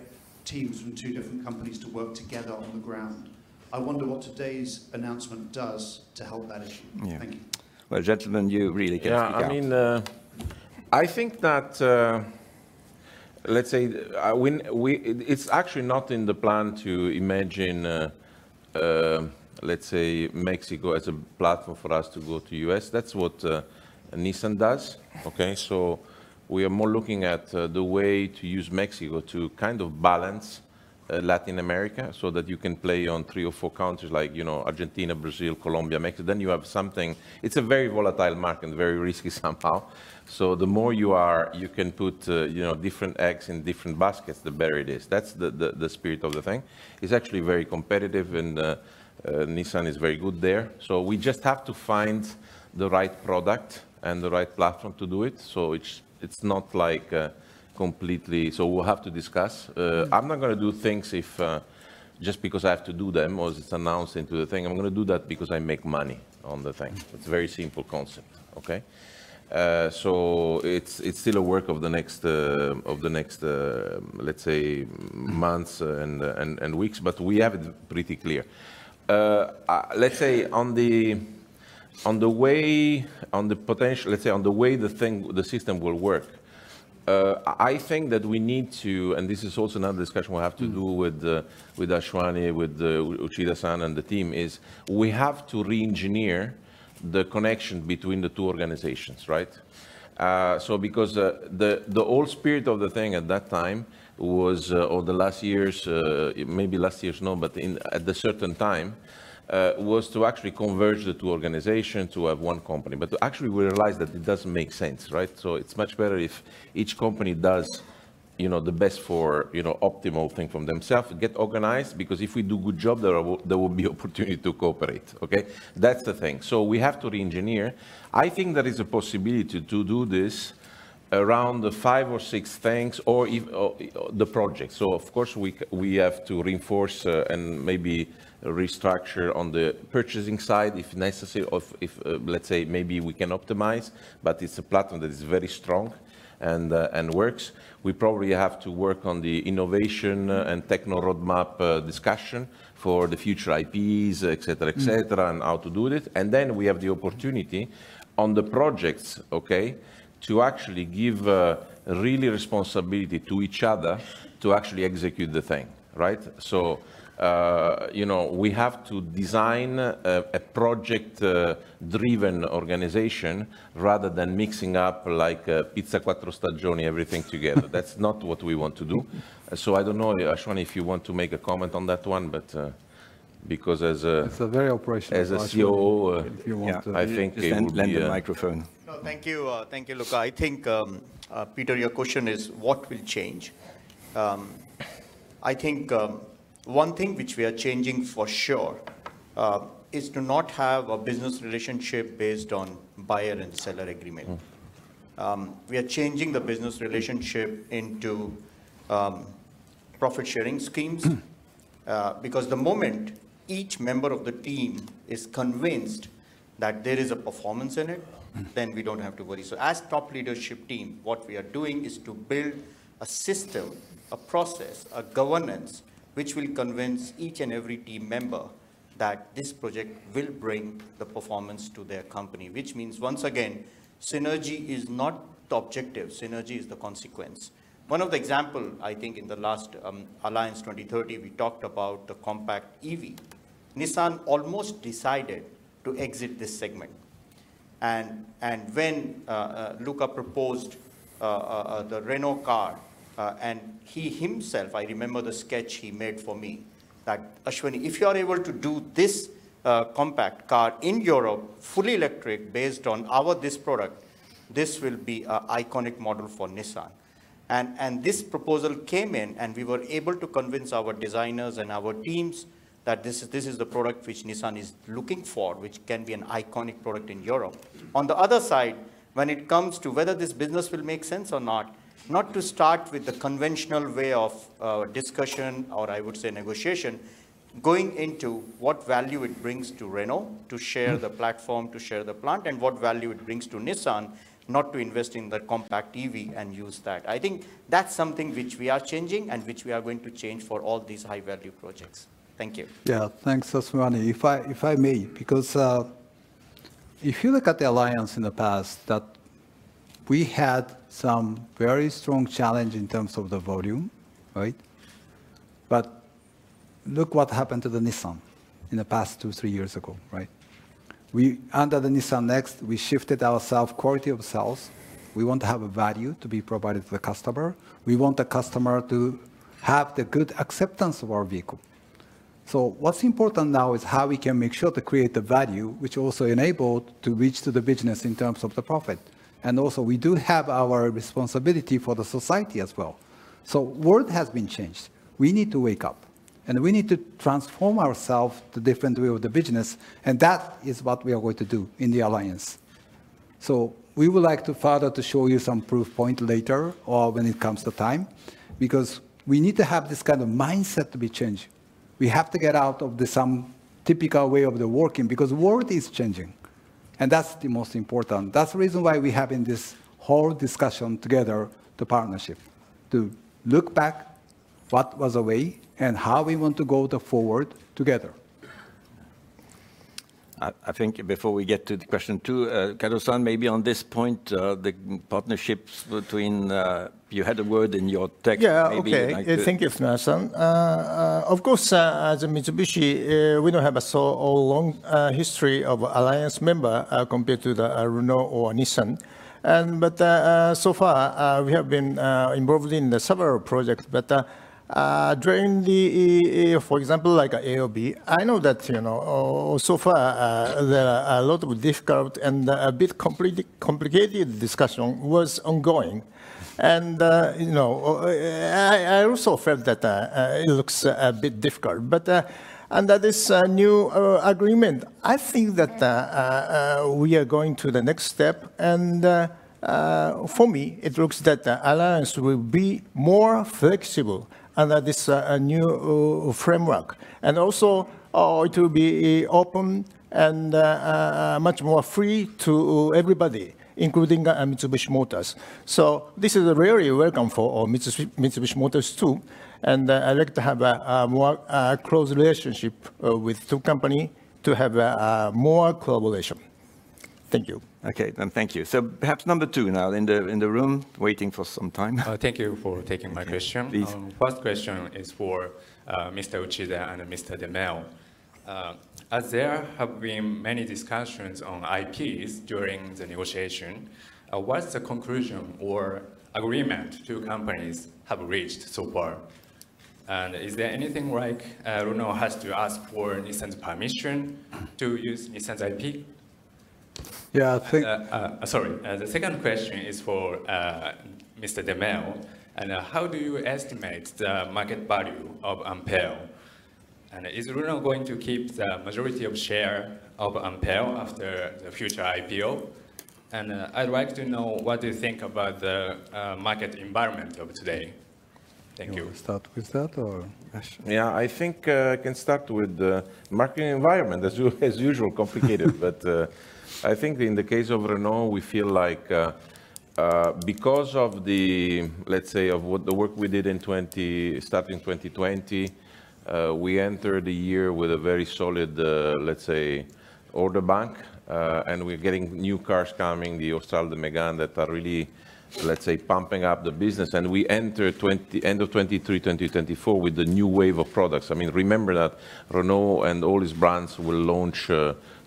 teams from two different companies to work together on the ground. I wonder what today's announcement does to help that issue. Yeah. Thank you. Well, gentlemen, you really can speak out. Yeah. I mean, I think that, let's say, it's actually not in the plan to imagine, let's say Mexico as a platform for us to go to U.S. That's what Nissan does, okay? We are more looking at the way to use Mexico to kind of balance Latin America so that you can play on three or four countries like, you know, Argentina, Brazil, Colombia, Mexico. You have something. It's a very volatile market, very risky somehow. The more you are, you can put, you know, different eggs in different baskets, the better it is. That's the spirit of the thing. It's actually very competitive, and Nissan is very good there. We just have to find the right product and the right platform to do it. It's not like completely. We'll have to discuss. I'm not gonna do things if just because I have to do them or it's announced into the thing. I'm gonna do that because I make money on the thing. It's a very simple concept, okay? It's still a work of the next of the next, let's say months and weeks, but we have it pretty clear. Let's say. On the way, let's say on the way the thing, the system will work, I think that we need to, and this is also another discussion we'll have to do with Ashwani, with Uchida-san and the team, is we have to re-engineer the connection between the two organizations, right? Because the old spirit of the thing at that time was, or the last years, maybe last years no, but in, at a certain time, was to actually converge the two organizations to have one company. Actually we realized that it doesn't make sense, right? It's much better if each company does, you know, the best for, you know, optimal thing from themselves, get organized, because if we do good job, there will be opportunity to cooperate, okay? That's the thing. We have to re-engineer. I think there is a possibility to do this around the five or six things, or the projects. Of course we have to reinforce, and maybe restructure on the purchasing side if necessary, or if, let's say maybe we can optimize, but it's a platform that is very strong and works. We probably have to work on the innovation and techno roadmap, discussion for the future IPs, et cetera, et cetera. Mm How to do it. We have the opportunity on the projects, okay, to actually give, really responsibility to each other to actually execute the thing, right? We have to design a project driven organization rather than mixing up like a pizza quattro stagioni, everything together. That's not what we want to do. I don't know, Ashwani, if you want to make a comment on that one, but, because as a-It's a very operational question. As a CEO. If you want to Yeah, I think it would be. Just lend the microphone. No, thank you. Thank you, Luca. I think, Peter, your question is what will change. I think, one thing which we are changing for sure, is to not have a business relationship based on buyer and seller agreement. Mm. We are changing the business relationship into profit sharing schemes. Mm. Because the moment each member of the team is convinced that there is a performance in it... Mm We don't have to worry. As top leadership team, what we are doing is to build a system, a process, a governance which will convince each and every team member that this project will bring the performance to their company. Means, once again, synergy is not the objective, synergy is the consequence. One of the example, I think in the last Alliance 2030, we talked about the compact EV. Nissan almost decided to exit this segment. When Luca proposed the Renault car, and he himself, I remember the sketch he made for me, like, "Ashwani, if you are able to do this compact car in Europe, fully electric based on our this product, this will be a iconic model for Nissan." This proposal came in, and we were able to convince our designers and our teams that this is the product which Nissan is looking for, which can be an iconic product in Europe. On the other side, when it comes to whether this business will make sense or not to start with the conventional way of discussion or I would say negotiation, going into what value it brings to Renault to share the platform, to share the plant, and what value it brings to Nissan not to invest in the compact EV and use that. I think that's something which we are changing, and which we are going to change for all these high-value projects. Thank you. Yeah. Thanks, Ashwani. If I may, because, if you look at the Alliance in the past that we had some very strong challenge in terms of the volume, right? Look what happened to the Nissan in the past two, three years ago, right? Under the Nissan NEXT, we shifted ourself, quality of sales. We want to have a value to be provided to the customer. We want the customer to have the good acceptance of our vehicle. What's important now is how we can make sure to create the value which also enabled to reach to the business in terms of the profit. Also, we do have our responsibility for the society as well. World has been changed. We need to wake up. We need to transform ourself to different way of the business. That is what we are going to do in the Alliance. We would like to further to show you some proof point later or when it comes to time, because we need to have this kind of mindset to be changing. We have to get out of the some typical way of the working, because world is changing. That's the most important. That's the reason why we have in this whole discussion together the partnership, to look back what was the way and how we want to go the forward together. I think before we get to the question two, Kato-san, maybe on this point, the partnerships between, you had a word in your text maybe like. Yeah. Okay. Thank you, Ashwani. Of course, as a Mitsubishi, we don't have a so all long history of alliance member, compared to the Renault or Nissan. So far, we have been involved in the several projects. During the, for example, like AOB, I know that, you know, so far, there are a lot of difficult and a bit complicated discussion was ongoing. You know, I also felt that, it looks a bit difficult. Under this new agreement, I think that we are going to the next step and for me, it looks that the alliance will be more flexible under this new framework, and also, it will be open and much more free to everybody, including Mitsubishi Motors. This is very welcome for Mitsubishi Motors, too. I'd like to have a more close relationship with two company to have a more collaboration. Thank you. Thank you. Perhaps number two now in the, in the room waiting for some time. Thank you for taking my question. Please. First question is for Mr. Uchida and Mr. De Meo. As there have been many discussions on IPs during the negotiation, what's the conclusion or agreement two companies have reached so far? Is there anything like Renault has to ask for Nissan's permission to use Nissan's IP? Yeah, I think- Sorry. The second question is for Mr. De Meo. How do you estimate the market value of Ampere? Is Renault going to keep the majority of share of Ampere after the future IPO? I'd like to know what do you think about the market environment of today. Thank you. You want to start with that or? Yes. I can start with the market environment. As usual, complicated. In the case of Renault, we feel like because of what the work we did starting 2020, we entered the year with a very solid order bank. We're getting new cars coming, the Austral, the Megane, that are really pumping up the business. We enter end of 2023, 2024, with the new wave of products. I mean, remember that Renault and all its brands will launch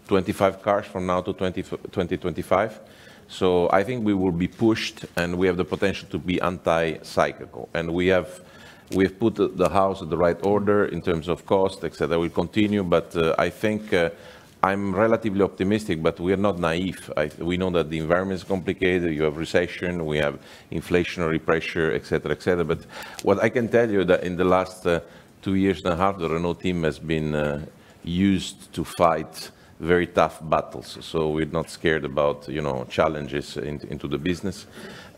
25 cars from now to 2025. I think we will be pushed, and we have the potential to be anti-cyclical. We have put the house in the right order in terms of cost, et cetera. We'll continue. I think I'm relatively optimistic, but we are not naive. We know that the environment is complicated. You have recession, we have inflationary pressure, et cetera, et cetera. What I can tell you that in the last two years and a half, the Renault team has been used to fight very tough battles. We're not scared about, you know, challenges into the business.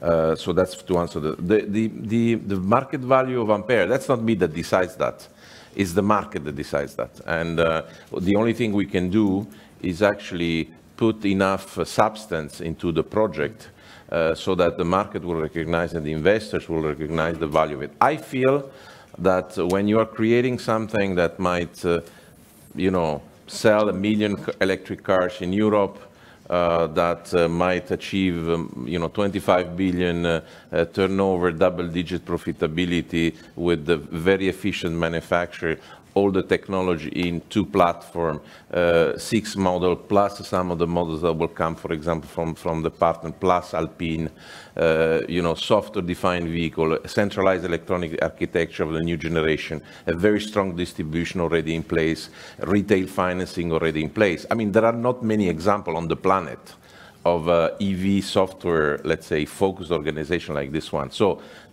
That's to answer the market value of Ampere, that's not me that decides that. It's the market that decides that. The only thing we can do is actually put enough substance into the project so that the market will recognize and the investors will recognize the value of it. I feel that when you are creating something that might, you know, sell 1 million electric cars in Europe, that might achieve, you know, 25 billion turnover, double-digit profitability with the very efficient manufacturer, all the technology in two platform, six model, plus some of the models that will come, for example, from the partner, plus Alpine. You know, Software-Defined Vehicle, centralized electronic architecture of the new generation, a very strong distribution already in place, retail financing already in place. I mean, there are not many example on the planet of a EV software, let's say, focused organization like this one.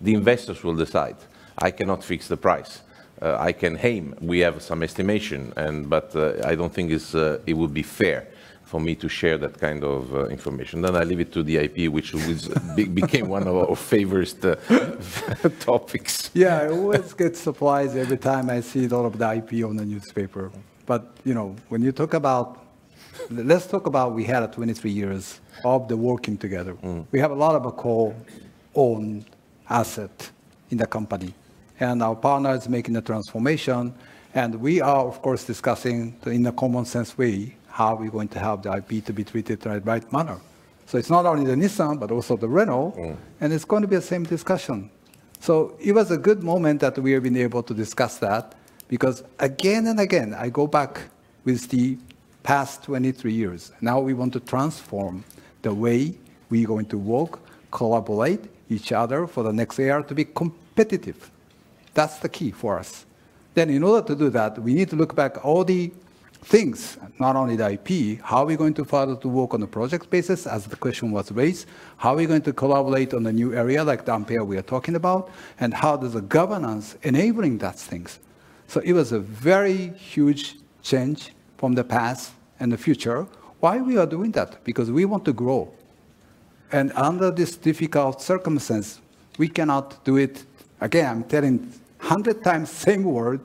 The investors will decide. I cannot fix the price. I can aim. We have some estimation and but I don't think it's, it would be fair for me to share that kind of information. I leave it to the IP, which became one of our favorite topics. Yeah. I always get surprised every time I see all of the IP on the newspaper. You know, when you talk about. Let's talk about we had 23 years of the working together. Mm. We have a lot of a co-owned asset in the company, and our partner is making the transformation. We are, of course, discussing the, in a common sense way, how we're going to have the IP to be treated the right manner. It's not only the Nissan but also the Renault. Mm. It's going to be the same discussion. It was a good moment that we have been able to discuss that, because again and again, I go back with the past 23 years. Now we want to transform the way we're going to work, collaborate each other for the next era to be competitive. That's the key for us. In order to do that, we need to look back all the things, not only the IP, how we're going to further to work on the project basis, as the question was raised, how we're going to collaborate on the new area like the Ampere we are talking about, and how does the governance enabling that things. It was a very huge change from the past and the future. Why we are doing that? Because we want to grow. Under this difficult circumstance, we cannot do it again. I'm telling 100 times same word.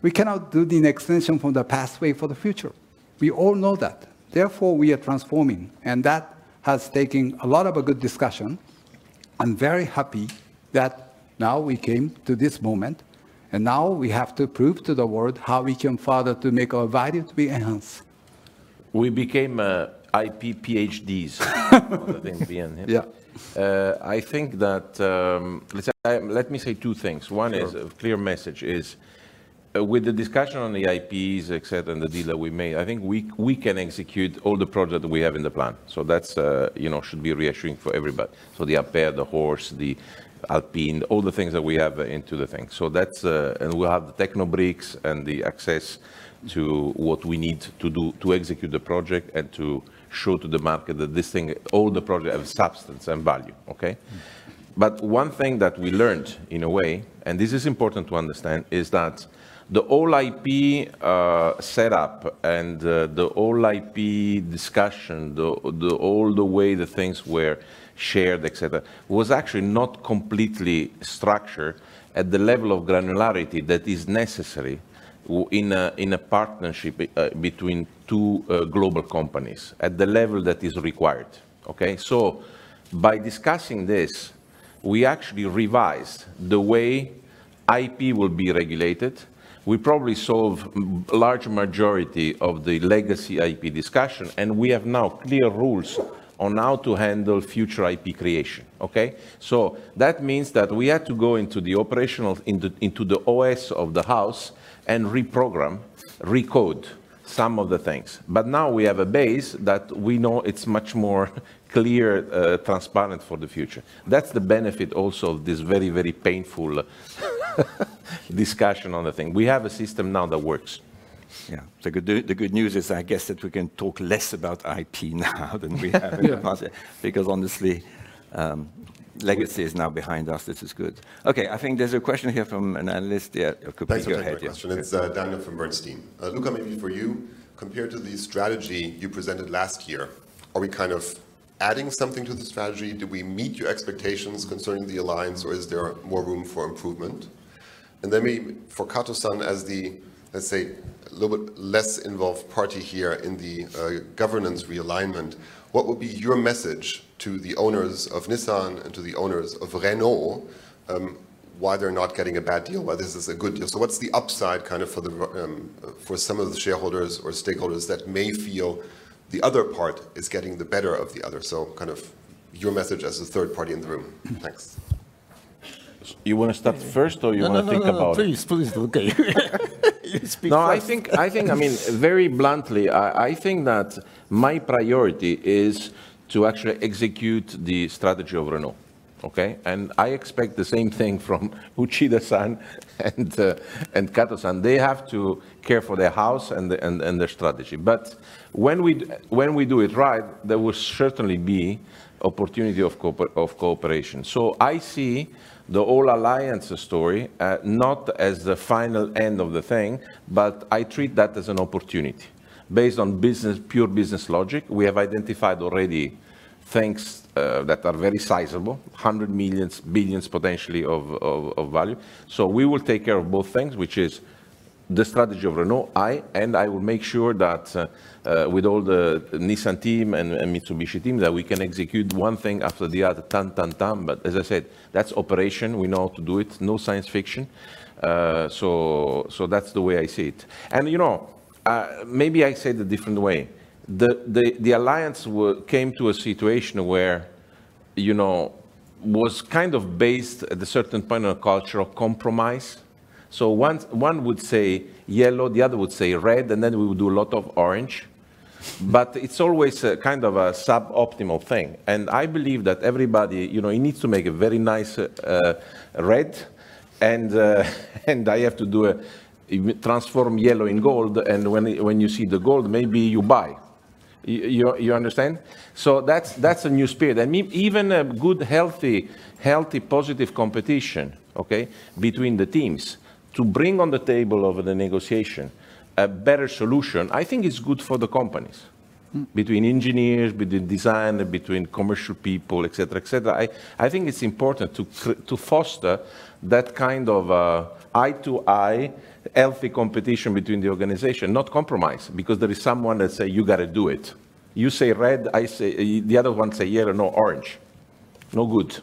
We cannot do the extension from the past way for the future. We all know that. Therefore, we are transforming, and that has taken a lot of a good discussion. I'm very happy that now we came to this moment, and now we have to prove to the world how we can further to make our value to be enhanced. We became IP PHDs, yeah. Yeah. I think that, let's say, Let me say two things. Sure. One is a clear message, is, with the discussion on the IPs, et cetera, and the deal that we made, I think we can execute all the project we have in the plan. That's, you know, should be reassuring for everybody. The Ampere, the HORSE, the Alpine, all the things that we have into the thing. That's. We have the techno bricks and the access to what we need to do to execute the project and to show to the market that this thing, all the project have substance and value. Okay? Mm. One thing that we learned, in a way, and this is important to understand, is that the old IP setup and the old IP discussion, all the way the things were shared, et cetera, was actually not completely structured at the level of granularity that is necessary in a partnership between two global companies at the level that is required. Okay? By discussing this, we actually revised the way IP will be regulated. We probably solve large majority of the legacy IP discussion, and we have now clear rules on how to handle future IP creation, okay? That means that we had to go into the operational, into the OS of the house and reprogram, recode some of the things. Now we have a base that we know it's much more clear, transparent for the future. That's the benefit also of this very, very painful discussion on the thing. We have a system now that works. Yeah. The good, the good news is, I guess, that we can talk less about IP now than we have in the past. Yeah. Honestly, legacy is now behind us, which is good. Okay. I think there's a question here from an analyst, yeah, could be go ahead, yeah. Thanks for your question. It's Daniel from Bernstein. Luca, maybe for you, compared to the strategy you presented last year, are we kind of adding something to the strategy? Do we meet your expectations concerning the alliance, or is there more room for improvement? Then for Kato-san, as the, let's say, little bit less involved party here in the governance realignment, what would be your message to the owners of Nissan and to the owners of Renault, why they're not getting a bad deal? Why this is a good deal? What's the upside kind of for some of the shareholders or stakeholders that may feel the other part is getting the better of the other? Kind of your message as the third party in the room. Thanks. You wanna start first or you wanna think about it? No, no, please, Luca, you speak first. I mean, very bluntly, I think that my priority is to actually execute the strategy of Renault, okay? I expect the same thing from Uchida-san and Kato-san. They have to care for their house and their strategy. When we do it right, there will certainly be opportunity of cooperation. I see the whole alliance story not as the final end of the thing, but I treat that as an opportunity. Based on business, pure business logic, we have identified already things that are very sizable, 100 million, billions potentially of value. We will take care of both things, which is the strategy of Renault. I will make sure that, with all the Nissan team and Mitsubishi team, that we can execute one thing after the other, turn, turn. As I said, that's operation. We know how to do it, no science fiction. That's the way I see it. You know, maybe I say the different way. The Alliance came to a situation where, you know, was kind of based at a certain point on a culture of compromise. Once one would say yellow, the other would say red, and then we would do a lot of orange. It's always a kind of a suboptimal thing, I believe that everybody, you know, he needs to make a very nice red, and I have to do a, transform yellow in gold, and when you see the gold, maybe you buy. You, you understand? That's a new spirit. Even a good, healthy, positive competition, okay, between the teams to bring on the table of the negotiation a better solution, I think it's good for the companies. Mm. Between engineers, between design, between commercial people, et cetera, et cetera. I think it's important to foster that kind of eye-to-eye healthy competition between the organization, not compromise, because there is someone that say, "You gotta do it." You say red, I say, the other one say yellow, no orange. No good.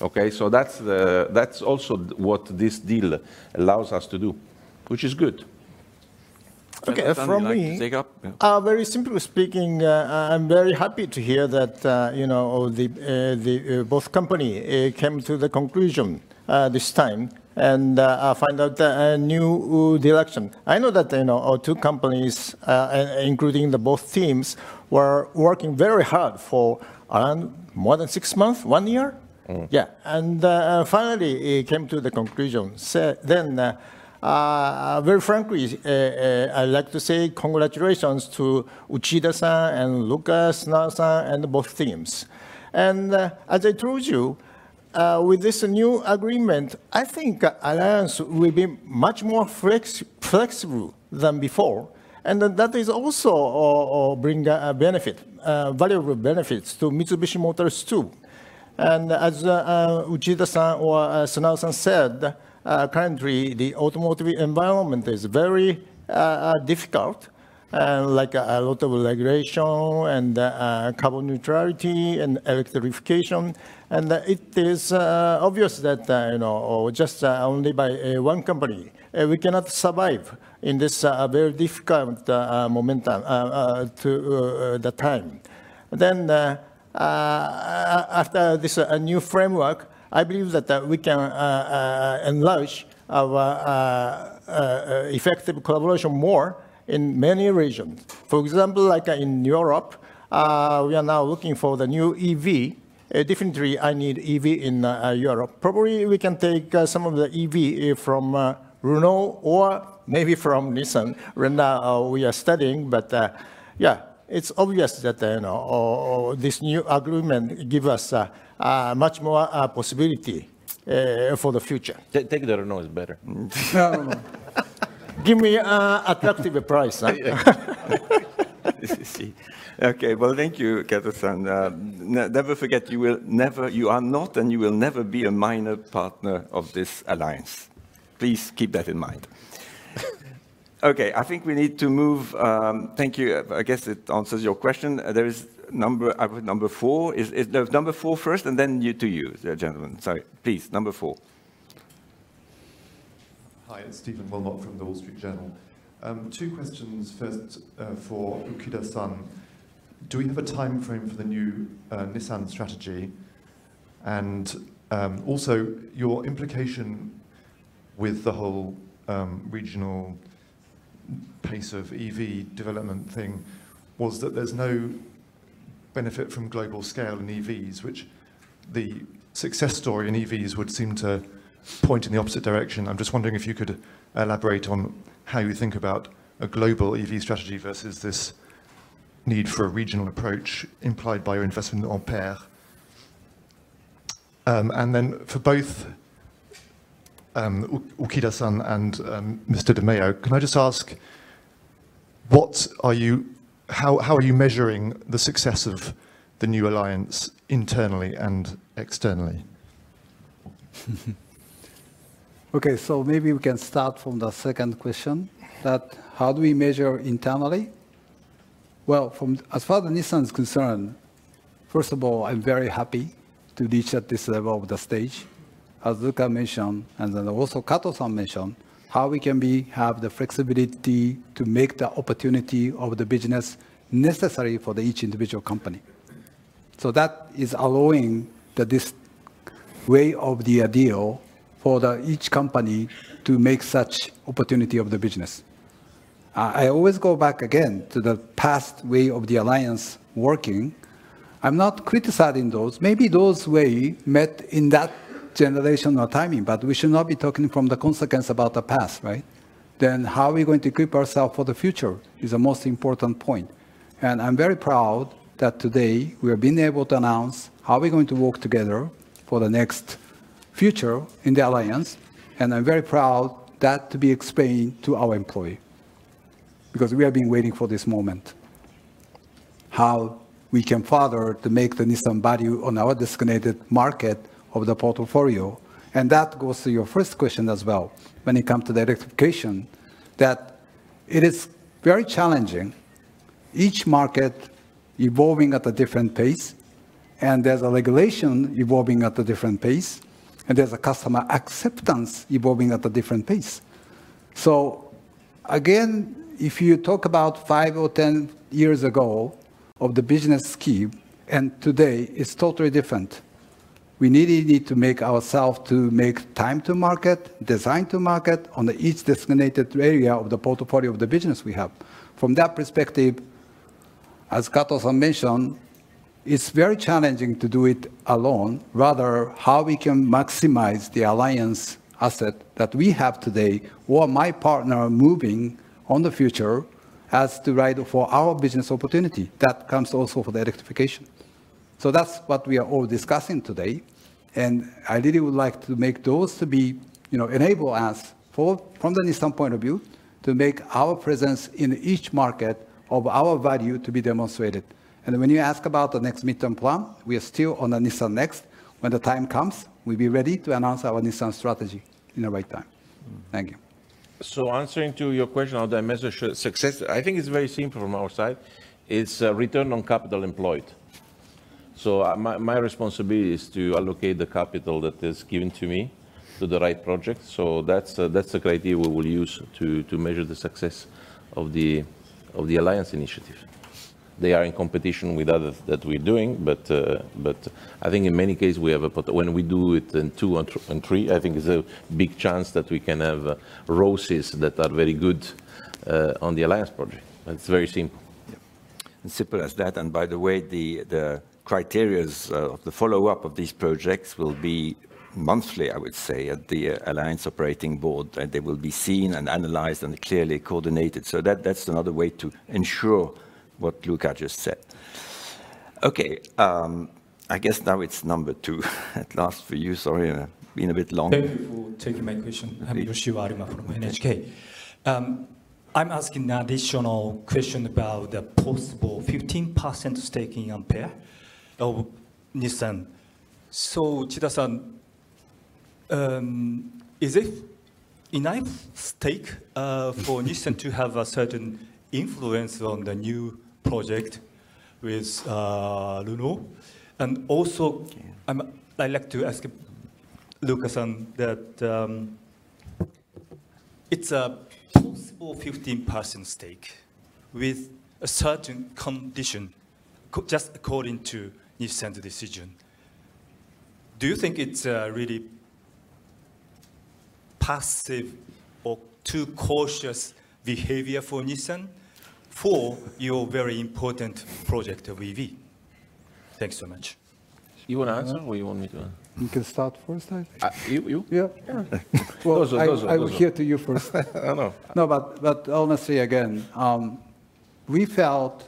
Okay? That's also what this deal allows us to do, which is good. Okay, Kato-san, would you like to take up? Yeah, very simply speaking, I'm very happy to hear that, you know, the both company, came to the conclusion, this time and, find out, a new direction. I know that, you know, our two companies, including the both teams, were working very hard for, more than six month, one year? Mm. Yeah. Finally came to the conclusion. Then, very frankly, I'd like to say congratulations to Uchida-san and Luca-san and Senard-san and both teams. As I told you, with this new agreement, I think Alliance will be much more flexible than before. That is also, bring a benefit, valuable benefits to Mitsubishi Motors too. As Uchida-san or Senard-san said, currently the automotive environment is very difficult, like a lot of regulation and carbon neutrality and electrification. It is obvious that, you know, just only by one company, we cannot survive in this very difficult momentum to the time. After this new framework, I believe that we can enlarge our effective collaboration more in many regions. For example, like in Europe, we are now looking for the new EV. Definitely I need EV in Europe. Probably we can take some of the EV from Renault or maybe from Nissan. Right now we are studying, yeah, it's obvious that, you know, this new agreement give us much more possibility for the future. Take the Renault, it's better. Give me attractive price. Yeah. Okay. Well, thank you, Kato-san. never forget, you will never, you are not and you will never be a minor partner of this alliance. Please keep that in mind. I think we need to move. Thank you. I guess it answers your question. There is number four. No, number four first. You, the gentleman. Sorry. Please, number four. Hi, it's Stephen Wilmot from The Wall Street Journal. Two questions. First, for Uchida-san. Do we have a timeframe for the new Nissan strategy? Also, your implication with the whole regional pace of EV development thing was that there's no benefit from global scale in EVs, which the success story in EVs would seem to point in the opposite direction. I'm just wondering if you could elaborate on how you think about a global EV strategy versus this need for a regional approach implied by your investment in Ampere. For both, Uchida-san and Mr. De Meo, can I just ask, how are you measuring the success of the new alliance internally and externally? Okay, maybe we can start from the second question: how do we measure internally? Well, as far as Nissan is concerned, first of all, I'm very happy to reach at this level of the stage. As Luca mentioned, and then also Kato-san mentioned, how we can have the flexibility to make the opportunity of the business necessary for the each individual company. That is allowing the way of the ideal for the each company to make such opportunity of the business. I always go back again to the past way of the alliance working. I'm not criticizing those. Maybe those way met in that generational timing, but we should not be talking from the consequence about the past, right? How we're going to equip ourself for the future is the most important point. I'm very proud that today we have been able to announce how we're going to work together for the next future in the Alliance, and I'm very proud that to be explained to our employee, because we have been waiting for this moment, how we can further to make the Nissan value on our designated market of the portfolio. That goes to your first question as well, when it come to the electrification, that it is very challenging. Each market evolving at a different pace, and there's a regulation evolving at a different pace, and there's a customer acceptance evolving at a different pace. Again, if you talk about five or 10 years ago of the business scheme, and today, it's totally different. We really need to make ourself to make time to market, design to market on the each designated area of the portfolio of the business we have. From that perspective, as Kato-san mentioned, it's very challenging to do it alone, rather how we can maximize the alliance asset that we have today, or my partner moving on the future as to ride for our business opportunity. That comes also for the electrification. That's what we are all discussing today, and I really would like to make those to be, you know, enable us for, from the Nissan point of view, to make our presence in each market of our value to be demonstrated. When you ask about the next midterm plan, we are still on the Nissan NEXT. When the time comes, we'll be ready to announce our Nissan strategy in the right time. Thank you. Answering to your question on how I measure success, I think it's very simple from our side. It's Return on Capital Employed. My responsibility is to allocate the capital that is given to me to the right project. That's the criteria we will use to measure the success of the Alliance initiative. They are in competition with others that we're doing, but I think in many cases we have when we do it in two and three, I think it's a big chance that we can have ROS that are very good on the Alliance project. It's very simple. Yeah. Simple as that. By the way, the criteria of the follow-up of these projects will be monthly, I would say, at the Alliance Operating Board. They will be seen, and analyzed, and clearly coordinated. That, that's another way to ensure what Luca just said. Okay. I guess now it's number two at last for you. Sorry, been a bit long. Thank you for taking my question. Please. I'm Yoshio Arima from NHK. I'm asking an additional question about the possible 15% stake in Ampere of Nissan. Uchida-san, is it enough stake for Nissan to have a certain influence on the new project with Renault? I'd like to ask Luca-san that it's a possible 15% stake with a certain condition just according to Nissan's decision. Do you think it's really passive or too cautious behavior for Nissan for your very important project of EV? Thanks so much. You wanna answer or you want me to answer? You can start first, I think. You? Yeah. Okay. Well, I will hear to you first. I know. Honestly, again, we felt,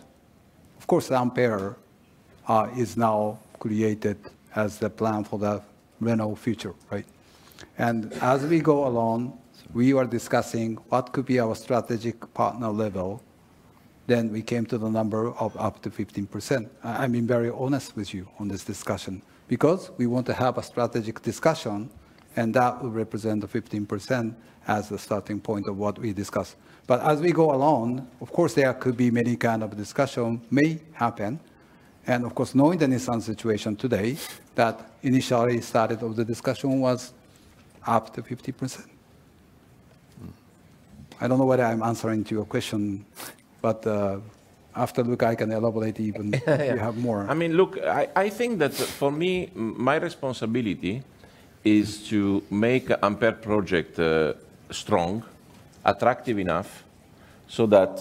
of course, Ampere is now created as the plan for the Renault future, right? As we go along, we are discussing what could be our strategic partner level- We came to the number of up to 15%. I'm being very honest with you on this discussion because we want to have a strategic discussion, and that will represent the 15% as a starting point of what we discuss. As we go along, of course there could be many kind of discussion may happen. Of course, knowing the Nissan situation today, that initially started of the discussion was up to 50%. I don't know whether I'm answering to your question, but after Luca can elaborate even if we have more. I mean, look, I think that for me, my responsibility is to make Ampere project strong, attractive enough so that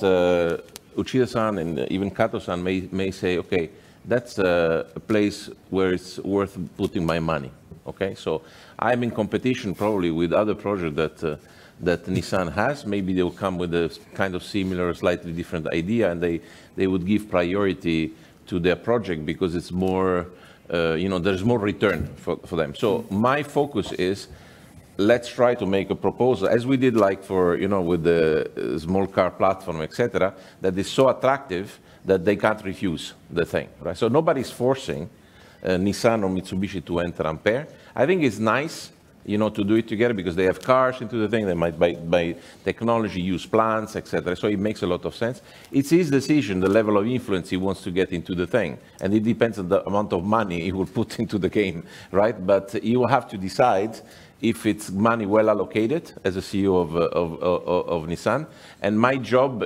Uchida-san and even Kato-san may say, "Okay, that's a place where it's worth putting my money." Okay? I'm in competition probably with other project that Nissan has. Maybe they will come with a kind of similar, slightly different idea, and they would give priority to their project because it's more, you know, there's more return for them. My focus is let's try to make a proposal as we did like for, you know, with the small car platform, et cetera, that is so attractive that they can't refuse the thing, right? Nobody's forcing Nissan or Mitsubishi to enter Ampere. I think it's nice, you know, to do it together because they have cars into the thing. They might buy technology, use plants, et cetera. It makes a lot of sense. It's his decision, the level of influence he wants to get into the thing, and it depends on the amount of money he will put into the game, right? You have to decide if it's money well allocated as a CEO of Nissan. My job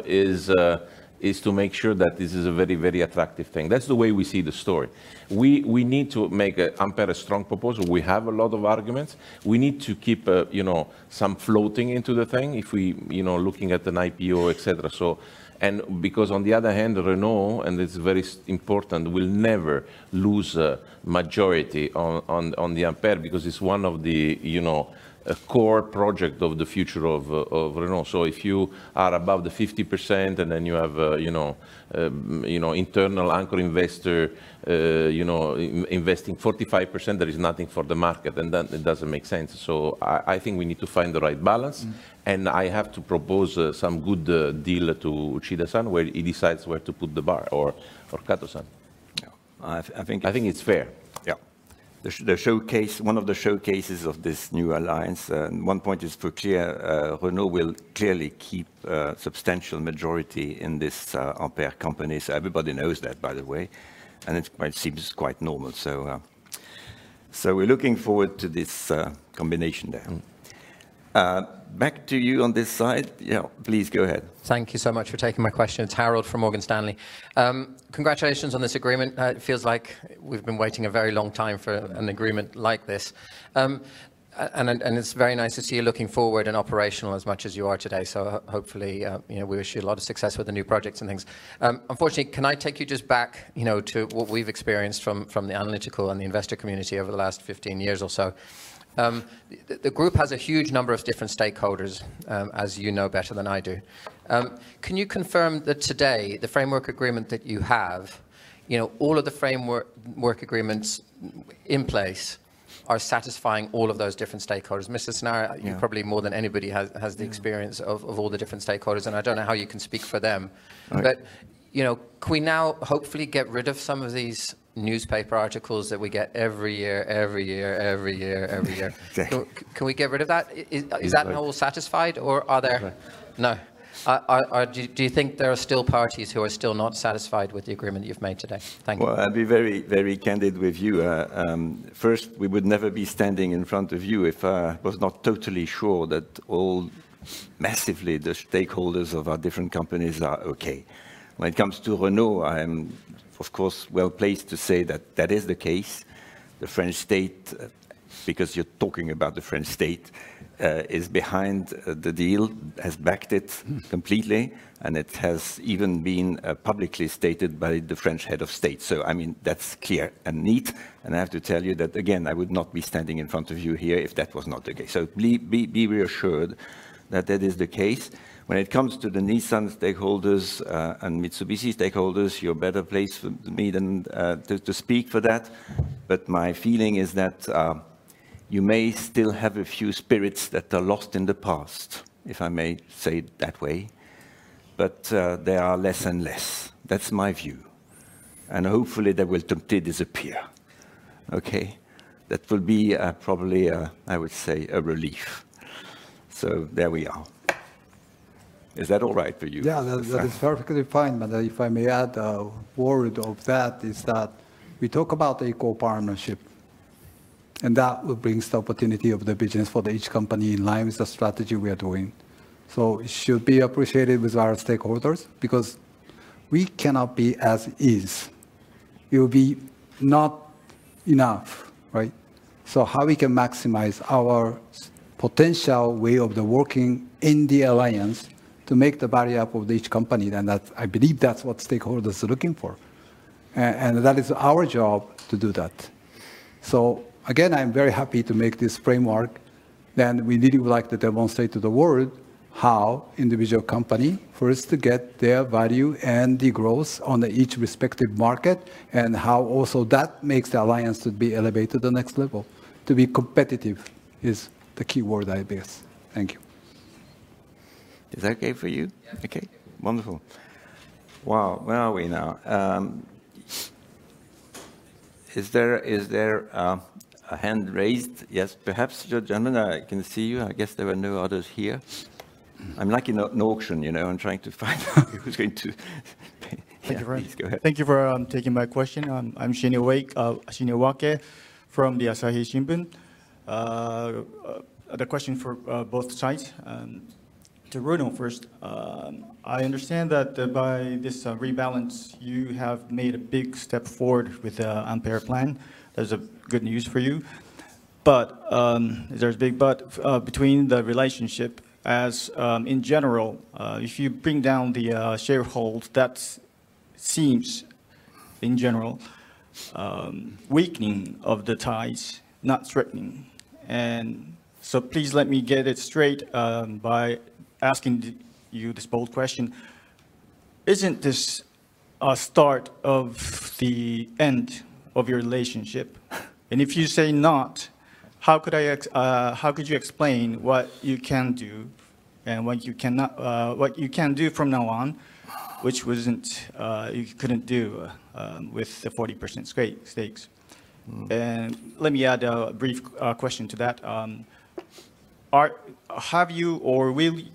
is to make sure that this is a very, very attractive thing. That's the way we see the story. We need to make Ampere a strong proposal. We have a lot of arguments. We need to keep, you know, some floating into the thing if we, you know, looking at an IPO, et cetera. Because on the other hand, Renault, and it's very important, will never lose a majority on the Ampere because it's one of the, you know, a core project of the future of Renault. If you are above the 50% and then you have, you know, you know, internal anchor investor, you know, investing 45%, there is nothing for the market, then it doesn't make sense. I think we need to find the right balance. Mm. I have to propose, some good, deal to Uchida-san, where he decides where to put the bar or Kato-san. Yeah. I think. I think it's fair. Yeah. The showcase, one of the showcases of this new Alliance. One point is pretty clear: Renault will clearly keep substantial majority in this Ampere company. Everybody knows that by the way, and it seems quite normal. We're looking forward to this combination there. Mm. Back to you on this side. Yeah, please go ahead. Thank you so much for taking my question. It's Harald from Morgan Stanley. Congratulations on this agreement. It feels like we've been waiting a very long time for an agreement like this. It's very nice to see you looking forward and operational as much as you are today. Hopefully, you know, we wish you a lot of success with the new projects and things. Unfortunately, can I take you just back, you know, to what we've experienced from the analytical and the investor community over the last 15 years or so? The group has a huge number of different stakeholders, as you know better than I do. Can you confirm that today, the framework agreement that you have, you know, all of the framework agreements in place are satisfying all of those different stakeholders? Senard- Yeah... You probably more than anybody has the experience... Yeah... of all the different stakeholders. I don't know how you can speak for them. Right. You know, can we now hopefully get rid of some of these newspaper articles that we get every year? Can we get rid of that? Is that all satisfied or are there? No. No. Do you think there are still parties who are still not satisfied with the agreement you've made today? Thank you. Well, I'll be very, very candid with you. First, we would never be standing in front of you if I was not totally sure that all massively the stakeholders of our different companies are okay. When it comes to Renault, I am of course well-placed to say that that is the case. The French State, because you're talking about the French State, is behind the deal, has backed it completely, and it has even been publicly stated by the French Head of State. I mean, that's clear and neat, and I have to tell you that again, I would not be standing in front of you here if that was not the case. Be reassured that that is the case. When it comes to the Nissan stakeholders, and Mitsubishi stakeholders, you're better placed for me than to speak for that. My feeling is that, you may still have a few spirits that are lost in the past, if I may say it that way. They are less and less. That's my view. Hopefully, they will totally disappear. Okay? That will be, probably, I would say a relief. There we are. Is that all right for you? Yeah. That is perfectly fine. If I may add a word of that is that we talk about equal partnership, that will bring us the opportunity of the business for the each company in line with the strategy we are doing. It should be appreciated with our stakeholders because we cannot be as is. It will be not enough, right? How we can maximize our potential way of the working in the Alliance to make the value up of each company, then that's, I believe that's what stakeholders are looking for. That is our job to do that. Again, I'm very happy to make this framework, then we really would like to demonstrate to the world how individual company first to get their value and the growth on the each respective market and how also that makes the alliance to be elevated the next level. To be competitive is the key word, I guess. Thank you. Is that okay for you? Yeah. Okay. Wonderful. Wow. Where are we now? Is there a hand raised? Yes, perhaps the gentleman, I can see you. I guess there are no others here. I'm like in a, an auction, you know, I'm trying to find who's going to. Thank you very- Yeah, please go ahead. Thank you for taking my question. I'm Shinya Wake, Shinya Wake from the Asahi Shimbun. The question for both sides, to Renault first. I understand that by this rebalance, you have made a big step forward with Ampere plan. That's good news for you. There's a big but between the relationship as in general, if you bring down the sharehold, that seems, in general, weakening of the ties, not threatening. Please let me get it straight by asking you this bold question. Isn't this a start of the end of your relationship? If you say not, how could I how could you explain what you can do and what you cannot... What you can do from now on, which wasn't, you couldn't do, with the 40% stakes? Mm. Let me add a brief question to that. Have you or will you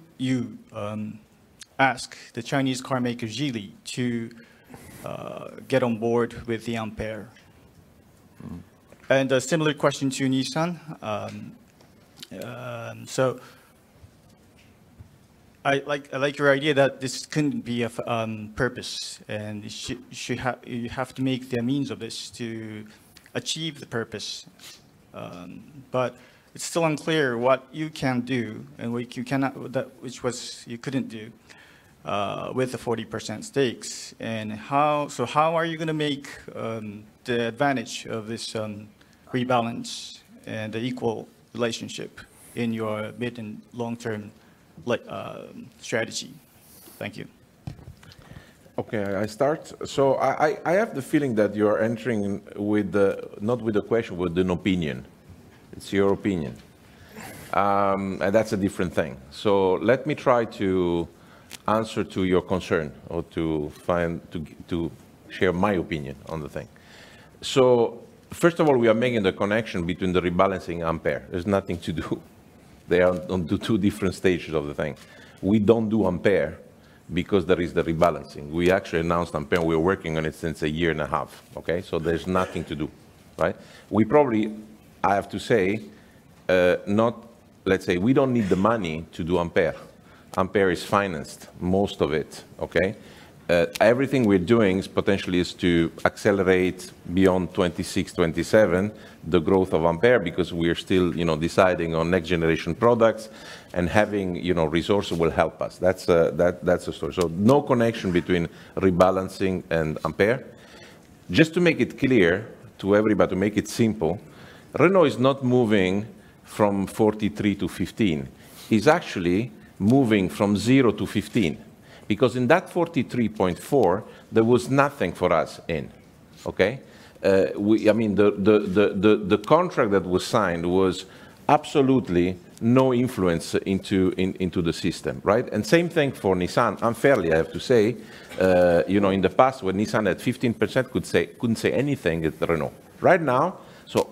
ask the Chinese carmaker Geely to get on board with the Ampere? Mm. A similar question to Nissan. I like your idea that this couldn't be a purpose, and you have to make the means of this to achieve the purpose. It's still unclear what you can do and what you cannot, which was you couldn't do with the 40% stakes. How are you gonna make the advantage of this rebalance and equal relationship in your mid- and long-term strategy? Thank you. Okay, I have the feeling that you're entering with the, not with a question, with an opinion. It's your opinion. That's a different thing. Let me try to answer to your concern or to find, to share my opinion on the thing. First of all, we are making the connection between the rebalancing Ampere. There's nothing to do. They are on the two different stages of the thing. We don't do Ampere because there is the rebalancing. We actually announced Ampere, we're working on it since a year and a half, okay? There's nothing to do, right? We probably, I have to say, not, let's say, we don't need the money to do Ampere. Ampere is financed, most of it, okay? Everything we're doing is potentially to accelerate beyond 2026, 2027 the growth of Ampere because we are still, you know, deciding on next generation products and having, you know, resources will help us. That's, that's the story. No connection between rebalancing and Ampere. Just to make it clear to everybody, to make it simple, Renault is not moving from 43% -5%. It's actually moving from 0%-15%. In that 43.4%, there was nothing for us in, okay? We, I mean, the contract that was signed was absolutely no influence into the system, right? Same thing for Nissan, unfairly, I have to say. You know, in the past, when Nissan had 15% couldn't say anything at Renault. Right now,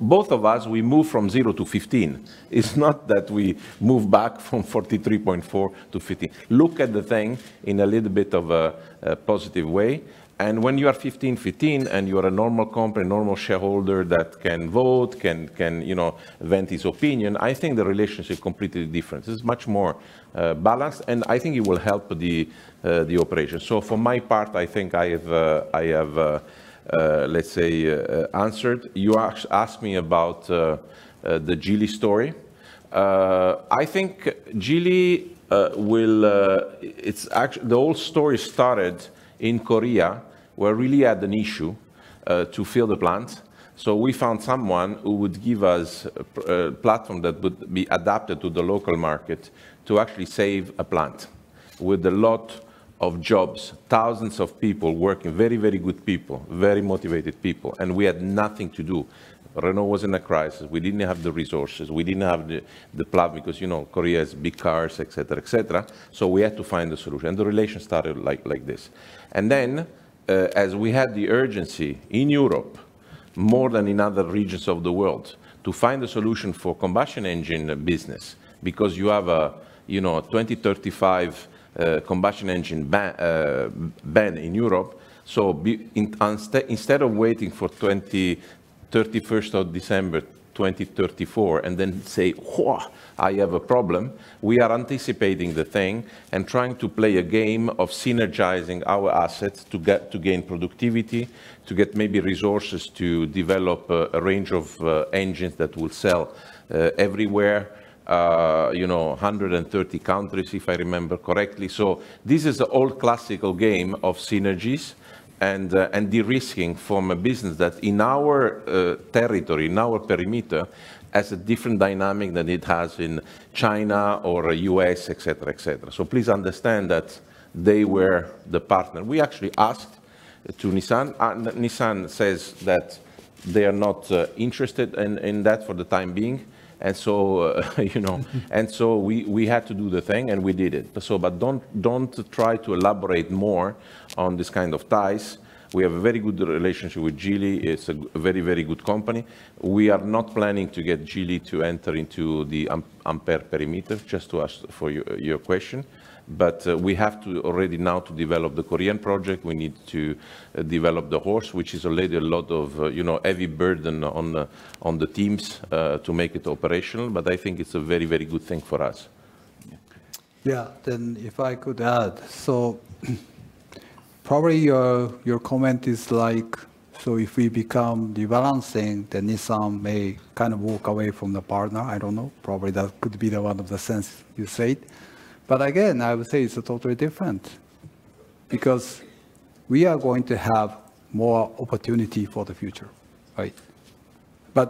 both of us, we move from 0%-15%. It's not that we move back from 43.4%-15%. Look at the thing in a little bit of a positive way. When you are 15%, and you are a normal company, normal shareholder that can vote, can, you know, vent his opinion, I think the relationship completely different. It's much more balanced, and I think it will help the operation. For my part, I think I have, let's say, answered. You asked me about the Geely story. I think Geely will, the whole story started in Korea, where really had an issue to fill the plant. we found someone who would give us a platform that would be adapted to the local market to actually save a plant with a lot of jobs, thousands of people working, very, very good people, very motivated people, we had nothing to do. Renault was in a crisis. We didn't have the resources. We didn't have the plant because, you know, Korea has big cars, et cetera, et cetera. we had to find a solution, the relation started like this. as we had the urgency in Europe more than in other regions of the world to find a solution for combustion engine business, because you have a, you know, a 2035 combustion engine ban in Europe. Instead of waiting for 31 December 2034 and then say, "Whoa, I have a problem," we are anticipating the thing and trying to play a game of synergizing our assets to get, to gain productivity, to get maybe resources to develop a range of engines that will sell everywhere. You know, 130 countries, if I remember correctly. This is the old classical game of synergies and de-risking from a business that in our territory, in our perimeter, has a different dynamic than it has in China or US, et cetera, et cetera. Please understand that they were the partner. We actually asked to Nissan says that they are not interested in that for the time being. You know, we had to do the thing, and we did it. Don't try to elaborate more on this kind of ties. We have a very good relationship with Geely. It's a very, very good company. We are not planning to get Geely to enter into the Ampere perimeter, just to ask for your question. We have to already now to develop the Korean project. We need to develop the HORSE, which is already a lot of, you know, heavy burden on the teams to make it operational. I think it's a very, very good thing for us. Yeah. If I could add. Probably your comment is like, so if we become de-balancing, then Nissan may kind of walk away from the partner. I don't know. Probably that could be the one of the sense you said. Again, I would say it's totally different because we are going to have more opportunity for the future, right?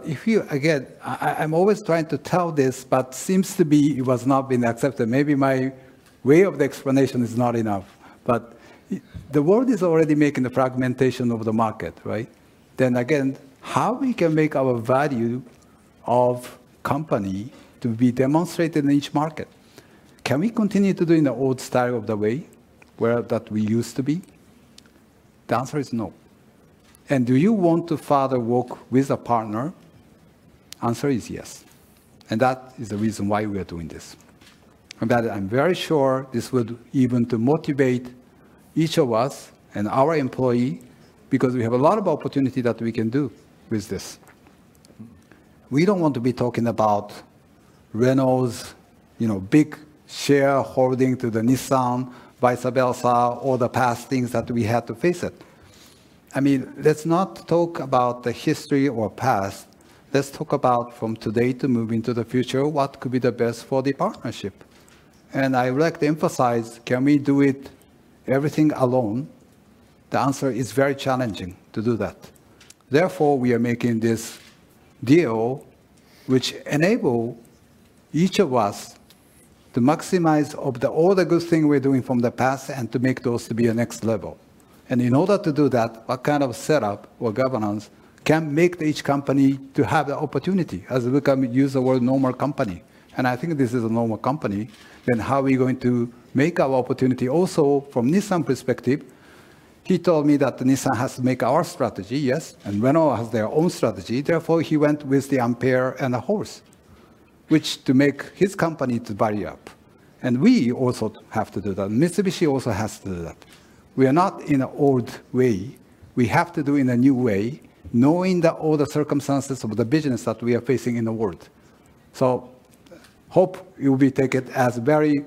If you... Again, I'm always trying to tell this, but seems to be it has not been accepted. Maybe my way of the explanation is not enough. The world is already making the fragmentation of the market, right? Again, how we can make our value of company to be demonstrated in each market? Can we continue to do in the old style of the way where, that we used to be? The answer is no. Do you want to further work with a partner? Answer is yes, and that is the reason why we are doing this. That I'm very sure this would even to motivate each of us and our employee, because we have a lot of opportunity that we can do with this. We don't want to be talking about Renault's, you know, big shareholding to the Nissan vis-a-vis all the past things that we had to face it. I mean, let's not talk about the history or past. Let's talk about from today to move into the future, what could be the best for the partnership. I would like to emphasize, can we do it everything alone? The answer is very challenging to do that. We are making this deal which enable each of us to maximize of the all the good thing we're doing from the past and to make those to be a next level. In order to do that, what kind of setup or governance can make each company to have the opportunity as we can use the word normal company, and I think this is a normal company, then how are we going to make our opportunity also from Nissan perspective, he told me that Nissan has to make our strategy, yes, and Renault has their own strategy. He went with the Ampere and a HORSE, which to make his company to value up, and we also have to do that, and Mitsubishi also has to do that. We are not in a old way. We have to do in a new way, knowing that all the circumstances of the business that we are facing in the world. Hope you will be take it as very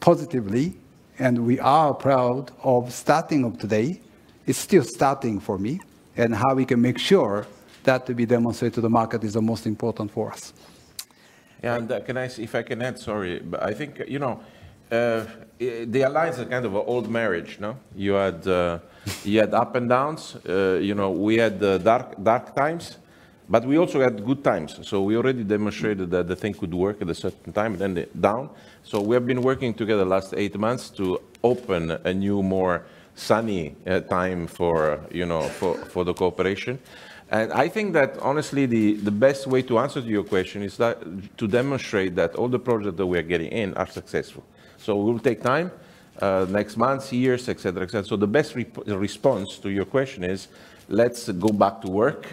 positively, and we are proud of starting of today. It's still starting for me, and how we can make sure that we demonstrate to the market is the most important for us. If I can add, sorry. I think, you know, the alliance is a kind of a old marriage, no? You had up and downs. You know, we had dark times, we also had good times. We already demonstrated that the thing could work at a certain time, down. We have been working together the last eight months to open a new, more sunny time for, you know, for the cooperation. I think that honestly, the best way to answer to your question is that to demonstrate that all the projects that we are getting in are successful. It will take time, next months, years, et cetera. The best response to your question is, let's go back to work,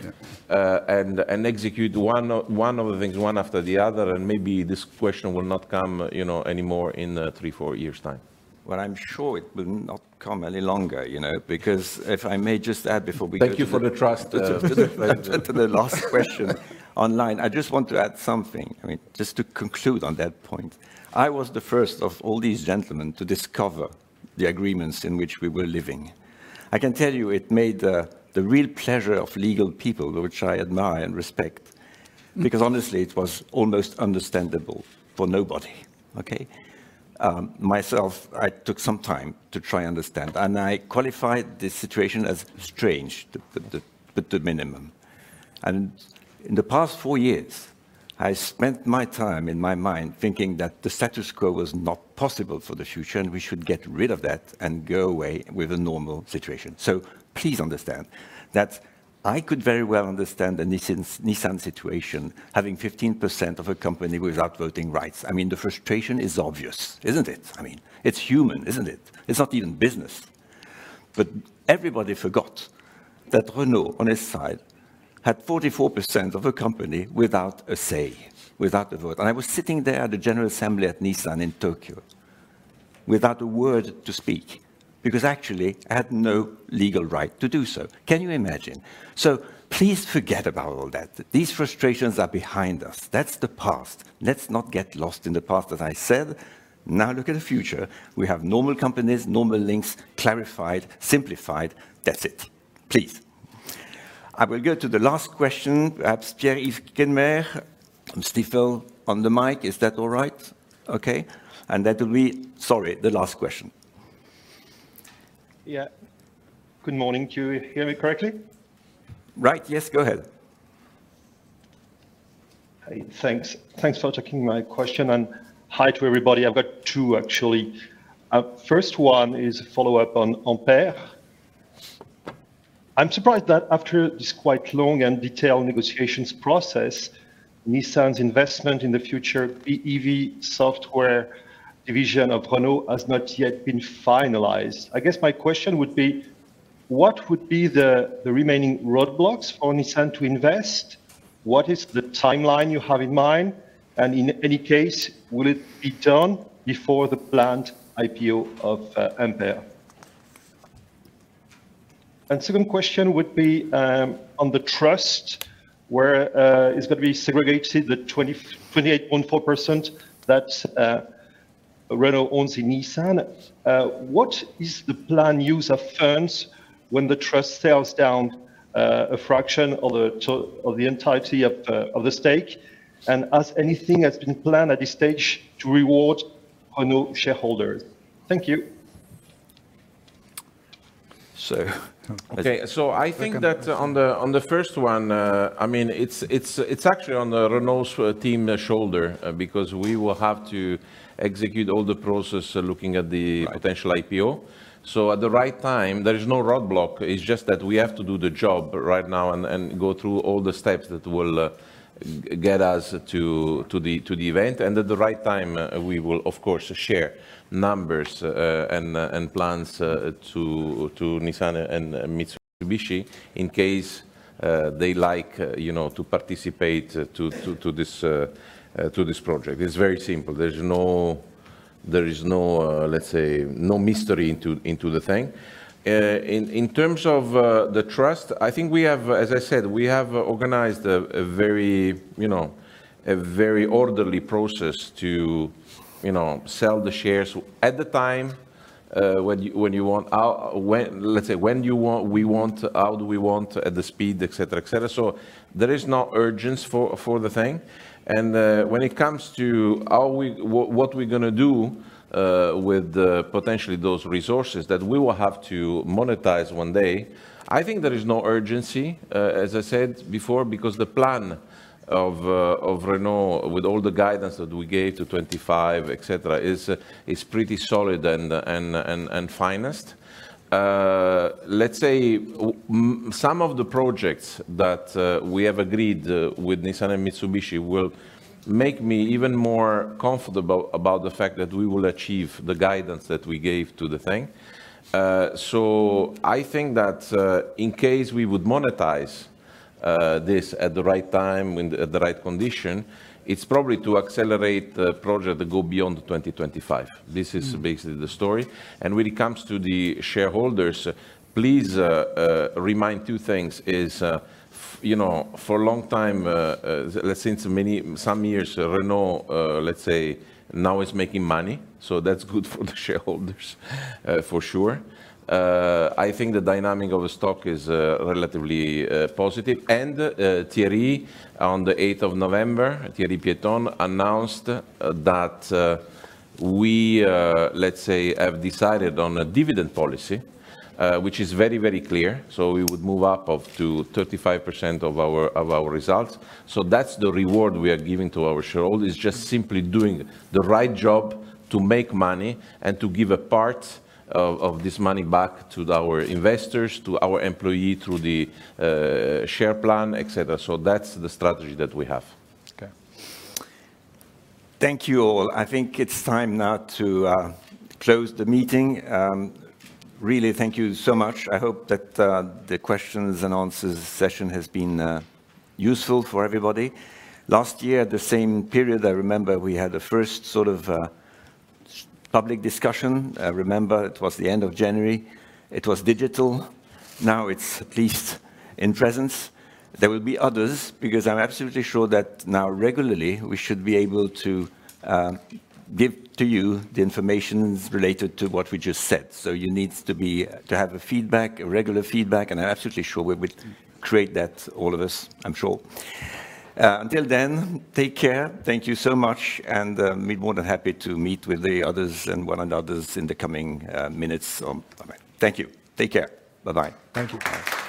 and execute one of the things, one after the other, and maybe this question will not come, you know, anymore in a three to four years' time. Well, I'm sure it will not come any longer, you know, because if I may just add before we go to. Thank you for the trust. to the last question online. I just want to add something. I mean, just to conclude on that point. I was the first of all these gentlemen to discover the agreements in which we were living. I can tell you it made the real pleasure of legal people, which I admire and respect, because honestly, it was almost understandable for nobody, okay? Myself, I took some time to try understand, and I qualified the situation as strange, to put the minimum. In the past four years, I spent my time in my mind thinking that the status quo was not possible for the future, and we should get rid of that and go away with a normal situation. Please understand that I could very well understand the Nissan situation, having 15% of a company without voting rights. I mean, the frustration is obvious, isn't it? I mean, it's human, isn't it? It's not even business. Everybody forgot that Renault, on his side, had 44% of a company without a say, without a vote. I was sitting there at a general assembly at Nissan in Tokyo without a word to speak, because actually, I had no legal right to do so. Can you imagine? Please forget about all that. These frustrations are behind us. That's the past. Let's not get lost in the past, as I said. Look at the future. We have normal companies, normal links, clarified, simplified. That's it. Please. I will go to the last question. Perhaps, Pierre-Yves Quemener from Stifel on the mic. Is that all right? Okay. That will be, sorry, the last question. Yeah. Good morning. Do you hear me correctly? Right. Yes, go ahead. Thanks for taking my question, hi to everybody. I've got two, actually. First one is a follow-up on Ampere. I'm surprised that after this quite long and detailed negotiations process, Nissan's investment in the future BEV software division of Renault has not yet been finalized. I guess my question would be, what would be the remaining roadblocks for Nissan to invest? What is the timeline you have in mind? In any case, will it be done before the planned IPO of Ampere? Second question would be on the trust, where it's gonna be segregated the 28.4% that Renault owns in Nissan. What is the planned use of funds when the trust sells down a fraction of the entirety of the stake? Has anything been planned at this stage to reward Renault shareholders? Thank you. So- Okay. Okay, I think. Welcome On the first one, I mean, it's actually on the Renault's team shoulder. Because we will have to execute all the process. Right... potential IPO. At the right time, there is no roadblock. It's just that we have to do the job right now and go through all the steps that will get us to the event. At the right time, we will of course share numbers and plans to Nissan and Mitsubishi in case they like, you know, to participate to this project. It's very simple. There's no. There is no, let's say, no mystery into the thing. In terms of the trust, I think we have, as I said, we have organized a very, you know, a very orderly process to, you know, sell the shares at the time when you want out, when... Let's say, when you want, we want, how do we want, at the speed, et cetera, et cetera. There is no urgency for the thing. When it comes to what we're gonna do with the potentially those resources that we will have to monetize one day, I think there is no urgency, as I said before. The plan of Renault with all the guidance that we gave to 2025, et cetera, is pretty solid and finest. Let's say some of the projects that we have agreed with Nissan and Mitsubishi will make me even more comfortable about the fact that we will achieve the guidance that we gave to the thing. I think that in case we would monetize this at the right time, when... at the right condition, it's probably to accelerate the project to go beyond 2025. Mm. This is basically the story. When it comes to the shareholders, please remind two things, is, you know, for a long time, let's say in some many, some years, Renault, let's say, now is making money, that's good for the shareholders, for sure. I think the dynamic of the stock is relatively positive. Thierry, on 8 November, Thierry Piéton announced that we, let's say, have decided on a dividend policy, which is very, very clear. We would move up of to 35% of our, of our results. That's the reward we are giving to our shareholders, is just simply doing the right job to make money and to give a part of this money back to our investors, to our employee, through the share plan, et cetera. That's the strategy that we have. Okay. Thank you all. I think it's time now to close the meeting. Really, thank you so much. I hope that the questions and answers session has been useful for everybody. Last year, at the same period, I remember we had a first sort of public discussion. I remember it was the end of January. It was digital. Now it's at least in presence. There will be others, because I'm absolutely sure that now regularly we should be able to give to you the information related to what we just said. So you need to be, to have a feedback, a regular feedback, and I'm absolutely sure we will create that, all of us, I'm sure. Until then, take care. Thank you so much, and me more than happy to meet with the others and one anothers in the coming minutes. Bye-bye. Thank you. Take care. Bye-bye. Thank you. Thanks.